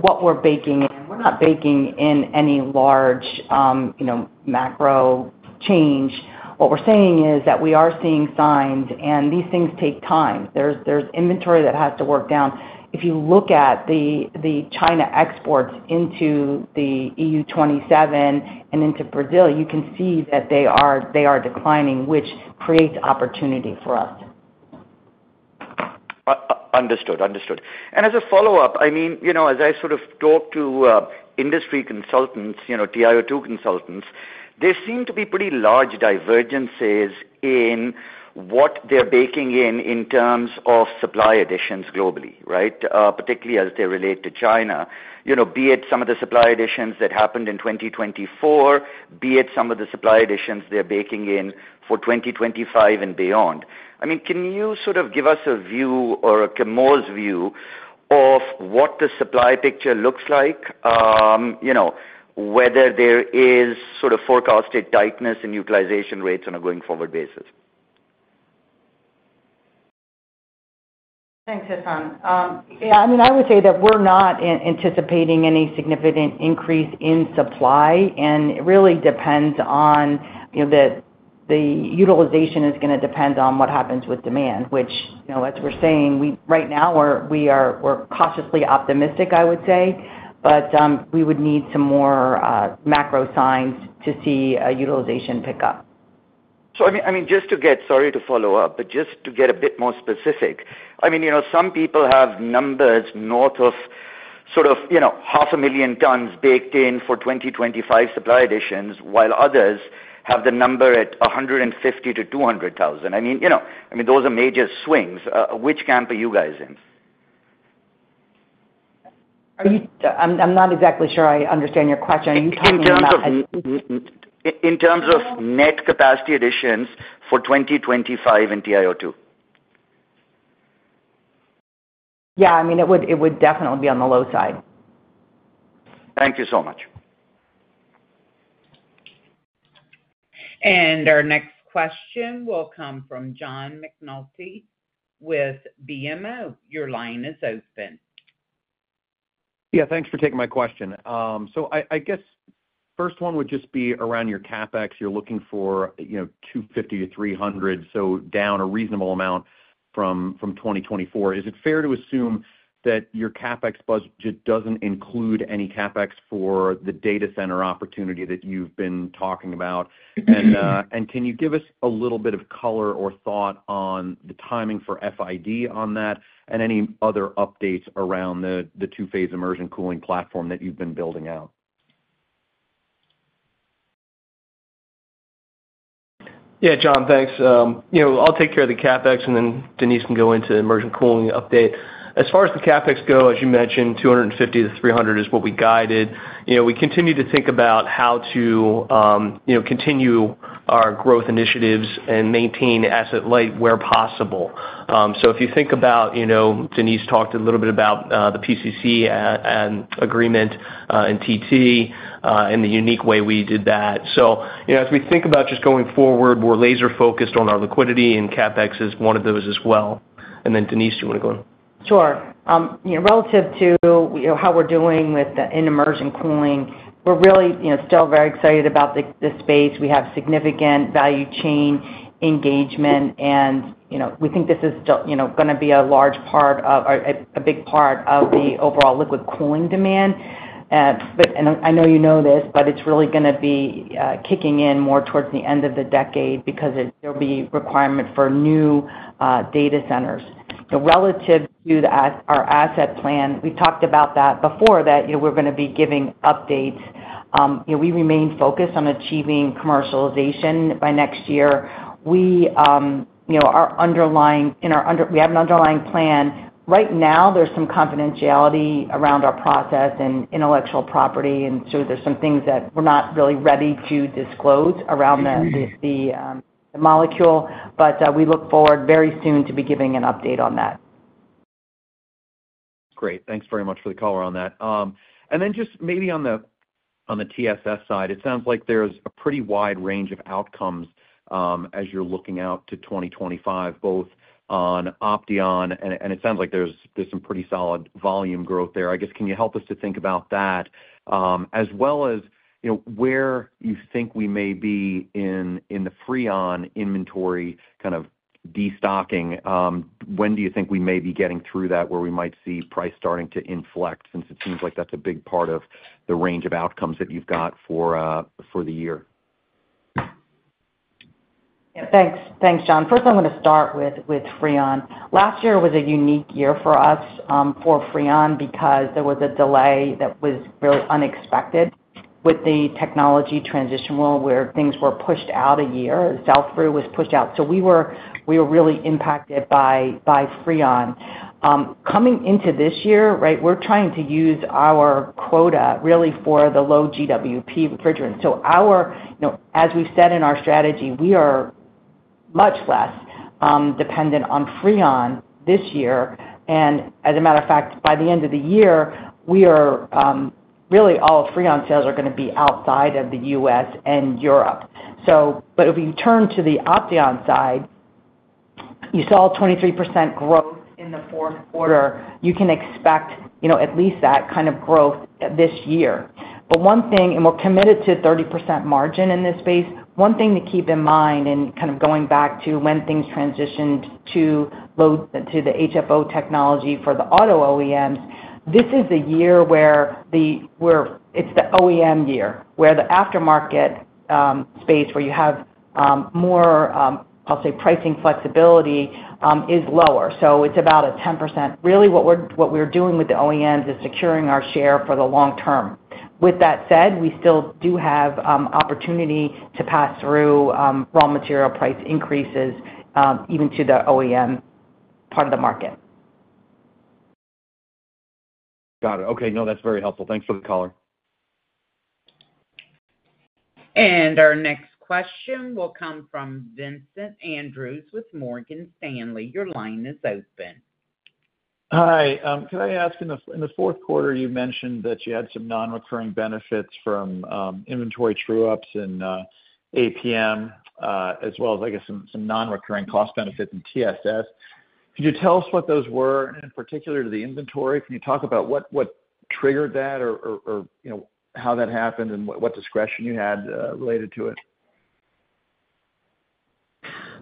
what we're baking in, we're not baking in any large macro change. What we're saying is that we are seeing signs, and these things take time. There's inventory that has to work down. If you look at the China exports into the EU-27 and into Brazil, you can see that they are declining, which creates opportunity for us. Understood. Understood. And as a follow-up, I mean, as I sort of talk to industry consultants, TiO₂ consultants, there seem to be pretty large divergences in what they're baking in in terms of supply additions globally, right, particularly as they relate to China, be it some of the supply additions that happened in 2024, be it some of the supply additions they're baking in for 2025 and beyond. I mean, can you sort of give us a view or a Chemours' view of what the supply picture looks like, whether there is sort of forecasted tightness in utilization rates on a going-forward basis? Thanks, Hassan. Yeah. I mean, I would say that we're not anticipating any significant increase in supply, and it really depends on what happens with demand, which, as we're saying, right now, we're cautiously optimistic, I would say, but we would need some more macro signs to see utilization pick up. So I mean, just to get, sorry to follow up, but just to get a bit more specific, I mean, some people have numbers north of 500,000 tons baked in for 2025 supply additions, while others have the number at 150,000 to 200,000 tons. I mean, those are major swings. Which camp are you guys in? I'm not exactly sure I understand your question. Are you talking about— In terms of net capacity additions for 2025 in TiO₂? Yeah. I mean, it would definitely be on the low side. Thank you so much. And our next question will come from John McNulty with BMO. Your line is open. Yeah. Thanks for taking my question. So I guess first one would just be around your CapEx. You're looking for $250 to 300 million, so down a reasonable amount from 2024. Is it fair to assume that your CapEx budget doesn't include any CapEx for the data center opportunity that you've been talking about? And can you give us a little bit of color or thought on the timing for FID on that and any other updates around the two-phase immersion cooling platform that you've been building out? Yeah, John, thanks. I'll take care of the CapEx, and then Denise can go into immersion cooling update. As far as the CapEx go, as you mentioned, $250 to 300 million is what we guided. We continue to think about how to continue our growth initiatives and maintain asset light where possible. So, if you think about, Denise talked a little bit about the PCC and agreement in TT and the unique way we did that. So, as we think about just going forward, we're laser-focused on our liquidity, and CapEx is one of those as well. And then Denise, do you want to go in? Sure. Relative to how we're doing with the immersion cooling, we're really still very excited about the space. We have significant value chain engagement, and we think this is going to be a large part of a big part of the overall liquid cooling demand. I know you know this, but it's really going to be kicking in more towards the end of the decade because there'll be a requirement for new data centers. Relative to our asset plan, we talked about that before, that we're going to be giving updates. We remain focused on achieving commercialization by next year. We are underlying—we have an underlying plan. Right now, there's some confidentiality around our process and intellectual property, and so there's some things that we're not really ready to disclose around the molecule, but we look forward very soon to be giving an update on that. Great. Thanks very much for the color on that. Then just maybe on the TSS side, it sounds like there's a pretty wide range of outcomes as you're looking out to 2025, both on Opteon™ and it sounds like there's some pretty solid volume growth there. I guess, can you help us to think about that as well as where you think we may be in the Freon™ inventory kind of destocking? When do you think we may be getting through that where we might see price starting to inflect since it seems like that's a big part of the range of outcomes that you've got for the year? Yeah. Thanks, John. First, I'm going to start with Freon™. Last year was a unique year for us for Freon™ because there was a delay that was very unexpected with the technology transition rule where things were pushed out a year. So the rule was pushed out. So we were really impacted by Freon™. Coming into this year, right, we're trying to use our quota really for the low-GWP refrigerants. So as we've said in our strategy, we are much less dependent on Freon™ this year. As a matter of fact, by the end of the year, really all of Freon™ sales are going to be outside of the U.S. and Europe. But if you turn to the Opteon™ side, you saw 23% growth in the Q4. You can expect at least that kind of growth this year. But one thing, and we're committed to 30% margin in this space. One thing to keep in mind, and kind of going back to when things transitioned to the HFO technology for the auto OEMs, this is the year where it's the OEM year, where the aftermarket space, where you have more, I'll say, pricing flexibility, is lower. So it's about 10%. Really, what we're doing with the OEMs is securing our share for the long term. With that said, we still do have opportunity to pass through raw material price increases even to the OEM part of the market. Got it. Okay. No, that's very helpful. Thanks for the color. And our next question will come from Vincent Andrews with Morgan Stanley. Your line is open. Hi. Can I ask? In the Q4, you mentioned that you had some non-recurring benefits from inventory true-ups and APM, as well as, I guess, some non-recurring cost benefits in TSS. Could you tell us what those were in particular to the inventory? Can you talk about what triggered that or how that happened and what discretion you had related to it?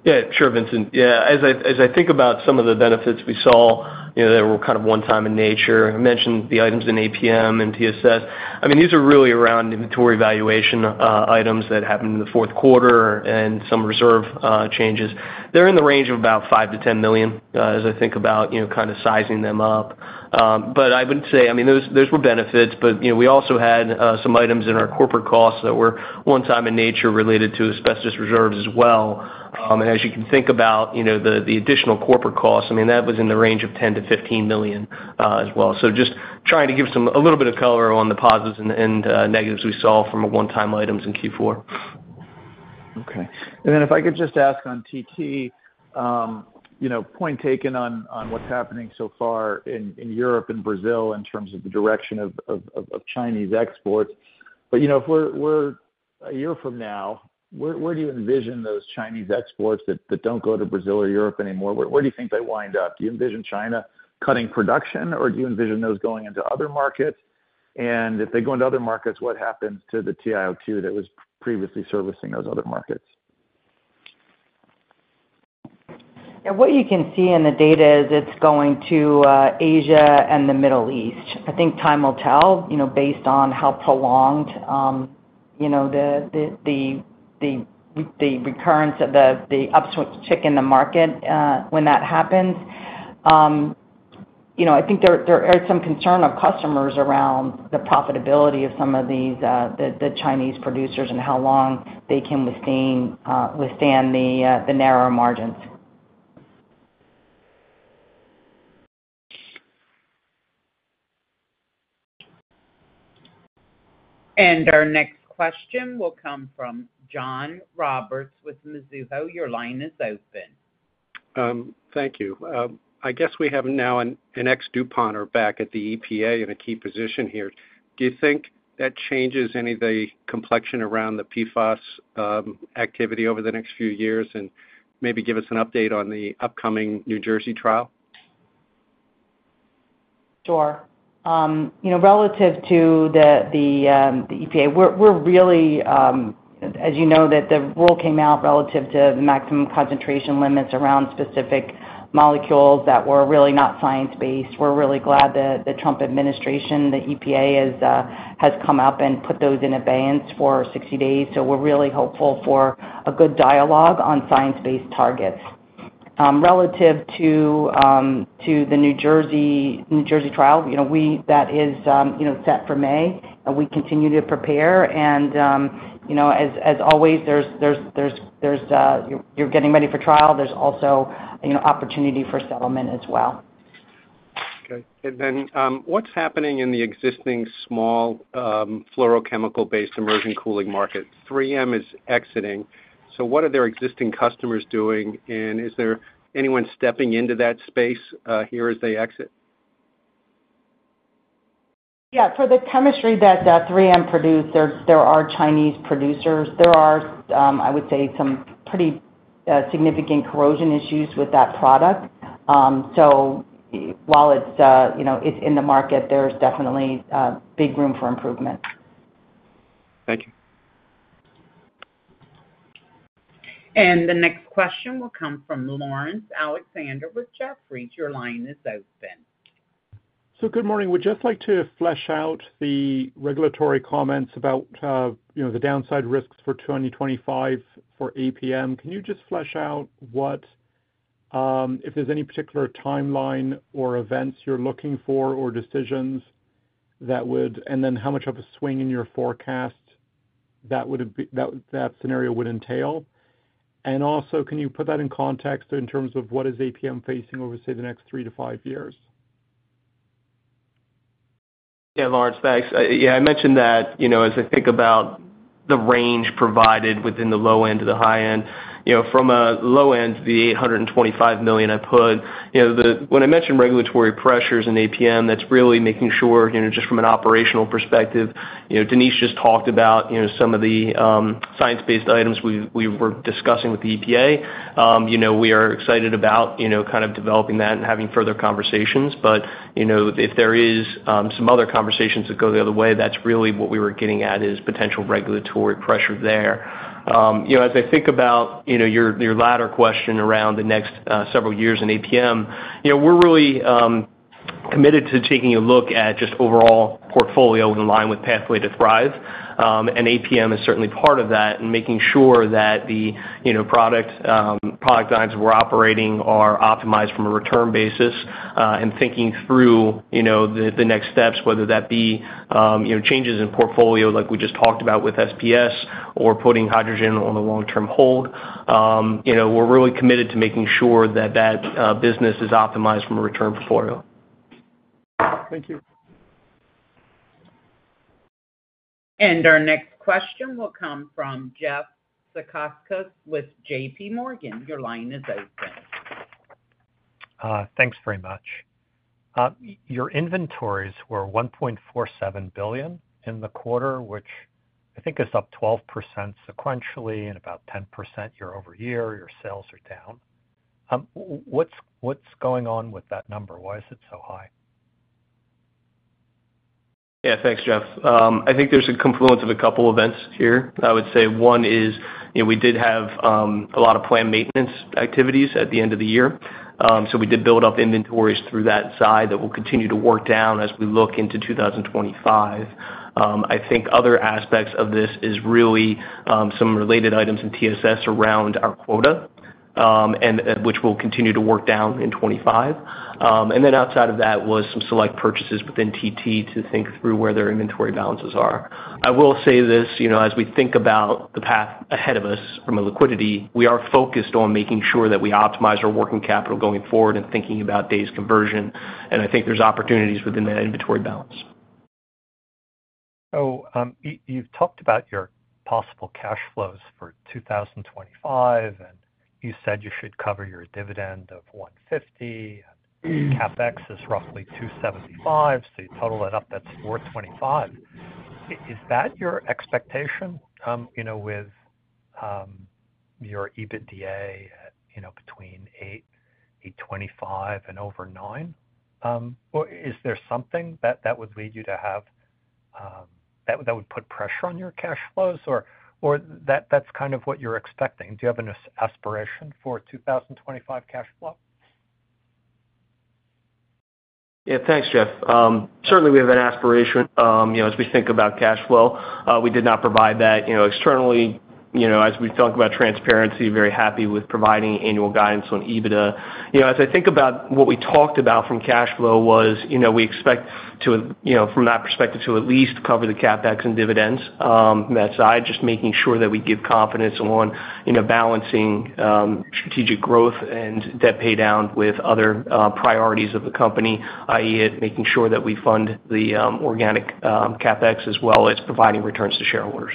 Yeah. Sure, Vincent. Yeah. As I think about some of the benefits we saw that were kind of one-time in nature, I mentioned the items in APM and TSS. I mean, these are really around inventory valuation items that happened in the Q4 and some reserve changes. They're in the range of about $5 to 10 million as I think about kind of sizing them up. But I would say, I mean, those were benefits, but we also had some items in our corporate costs that were one-time in nature related to asbestos reserves as well. And as you can think about the additional corporate costs, I mean, that was in the range of $10 to 15 million as well. So just trying to give some a little bit of color on the positives and negatives we saw from one-time items in Q4. Okay. And then if I could just ask on TT, point taken on what's happening so far in Europe and Brazil in terms of the direction of Chinese exports. But if we're a year from now, where do you envision those Chinese exports that don't go to Brazil or Europe anymore? Where do you think they wind up? Do you envision China cutting production, or do you envision those going into other markets? And if they go into other markets, what happens to the TiO₂ that was previously servicing those other markets? Yeah. What you can see in the data is it's going to Asia and the Middle East. I think time will tell based on how prolonged the recurrence of the upswing cycle in the market when that happens. I think there is some concern of customers around the profitability of some of these Chinese producers and how long they can withstand the narrow margins. And our next question will come from John Roberts with Mizuho. Your line is open. Thank you. I guess we have now an ex-DuPont or back at the EPA in a key position here. Do you think that changes any of the complexion around the PFAS activity over the next few years and maybe give us an update on the upcoming New Jersey trial? Sure. Relative to the EPA, we're really, as you know, that the rule came out relative to the maximum concentration limits around specific molecules that were really not science-based. We're really glad that the Trump administration, the EPA, has come up and put those in abeyance for 60 days. So we're really hopeful for a good dialogue on science-based targets. Relative to the New Jersey trial, that is set for May, and we continue to prepare. And as always, you're getting ready for trial. There's also opportunity for settlement as well. Okay. And then what's happening in the existing small fluorochemical-based immersion cooling market? 3M is exiting. So what are their existing customers doing, and is there anyone stepping into that space here as they exit? Yeah. For the chemistry that 3M produced, there are Chinese producers. There are, I would say, some pretty significant corrosion issues with that product. So while it's in the market, there's definitely big room for improvement. Thank you. And the next question will come from Laurence Alexander with Jefferies. Your line is open. So good morning. We'd just like to flesh out the regulatory comments about the downside risks for 2025 for APM. Can you just flesh out if there's any particular timeline or events you're looking for or decisions that would, and then how much of a swing in your forecast that scenario would entail? And also, can you put that in context in terms of what is APM facing over, say, the next three to five years? Yeah, Laurence, thanks. Yeah. I mentioned that as I think about the range provided within the low end to the high end. From a low end, the $825 million I put, when I mentioned regulatory pressures in APM, that's really making sure just from an operational perspective. Denise just talked about some of the science-based items we were discussing with the EPA. We are excited about kind of developing that and having further conversations. But if there is some other conversations that go the other way, that's really what we were getting at is potential regulatory pressure there. As I think about your latter question around the next several years in APM, we're really committed to taking a look at just overall portfolio in line with Pathway to Thrive, and APM is certainly part of that and making sure that the product lines we're operating are optimized from a return basis and thinking through the next steps, whether that be changes in portfolio like we just talked about with SPS or putting hydrogen on a long-term hold. We're really committed to making sure that that business is optimized from a return portfolio. Thank you. And our next question will come from Jeff Zekauskas with J.P. Morgan. Your line is open. Thanks very much. Your inventories were $1.47 billion in the quarter, which I think is up 12% sequentially and about 10% year-over-year. Your sales are down. What's going on with that number? Why is it so high? Yeah. Thanks, Jeff. I think there's a confluence of a couple of events here. I would say one is we did have a lot of planned maintenance activities at the end of the year. So we did build up inventories through that side that will continue to work down as we look into 2025. I think other aspects of this is really some related items in TSS around our quota, which will continue to work down in 2025. And then outside of that was some select purchases within TT to think through where their inventory balances are. I will say this: as we think about the path ahead of us from a liquidity, we are focused on making sure that we optimize our working capital going forward and thinking about days' conversion. And I think there's opportunities within that inventory balance. So you've talked about your possible cash flows for 2025, and you said you should cover your dividend of $150, and CapEx is roughly $275 million. So you total that up, that's $425 million. Is that your expectation with your EBITDA between $825 million and over $900 million? Or is there something that would lead you to have that would put pressure on your cash flows, or that's kind of what you're expecting? Do you have an aspiration for a 2025 cash flow? Yeah. Thanks, Jeff. Certainly, we have an aspiration as we think about cash flow. We did not provide that externally. As we talk about transparency, very happy with providing annual guidance on EBITDA. As I think about what we talked about from cash flow was we expect from that perspective to at least cover the CapEx and dividends from that side, just making sure that we give confidence on balancing strategic growth and debt paydown with other priorities of the company, i.e., making sure that we fund the organic CapEx as well as providing returns to shareholders.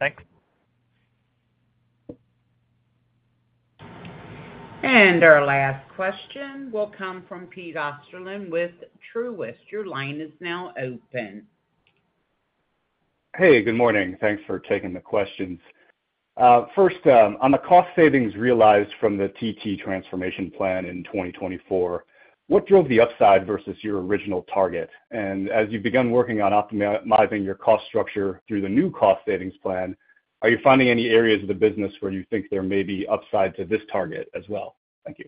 Great. Thanks. And our last question will come from Pete Osterland with Truist. Your line is now open. Hey, good morning. Thanks for taking the questions. First, on the cost savings realized from the TT Transformation Plan in 2024, what drove the upside versus your original target? And as you've begun working on optimizing your cost structure through the new cost savings plan, are you finding any areas of the business where you think there may be upside to this target as well? Thank you.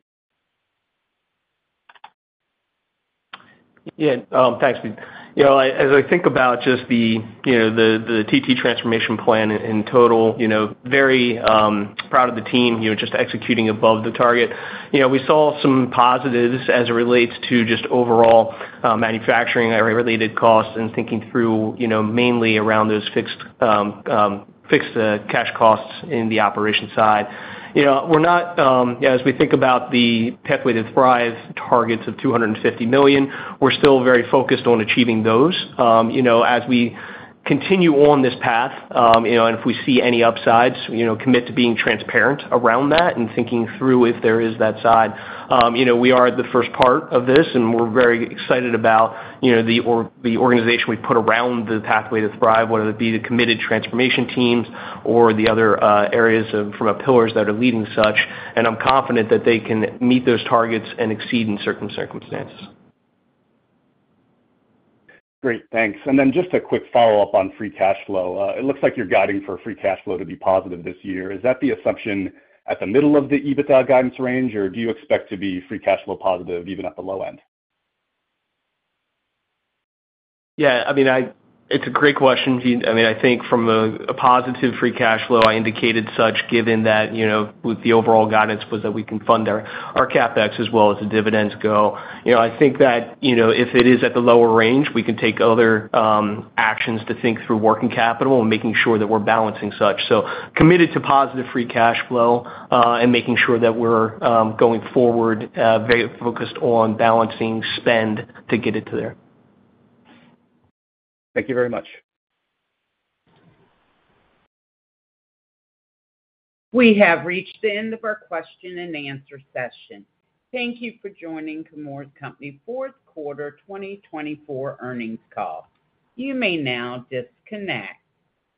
Yeah. Thanks, Pete. As I think about just the TT Transformation Plan in total, very proud of the team just executing above the target. We saw some positives as it relates to just overall manufacturing-related costs and thinking through mainly around those fixed cash costs in the operation side. We're not, as we think about the Pathway to Thrive targets of $250 million, we're still very focused on achieving those. As we continue on this path, and if we see any upsides, commit to being transparent around that and thinking through if there is that side. We are the first part of this, and we're very excited about the organization we put around the Pathway to Thrive, whether it be the committed transformation teams or the other areas from our pillars that are leading such. And I'm confident that they can meet those targets and exceed in certain circumstances. Great. Thanks. And then just a quick follow-up on free cash flow. It looks like you're guiding for free cash flow to be positive this year. Is that the assumption at the middle of the EBITDA guidance range, or do you expect to be free cash flow positive even at the low end? Yeah. I mean, it's a great question. I mean, I think from a positive free cash flow, I indicated such given that with the overall guidance was that we can fund our CapEx as well as the dividends go. I think that if it is at the lower range, we can take other actions to think through working capital and making sure that we're balancing such. So committed to positive free cash flow and making sure that we're going forward very focused on balancing spend to get it to there. Thank you very much. We have reached the end of our question and answer session. Thank you for joining Chemours Company Q4 2024 Earnings Call. You may now disconnect.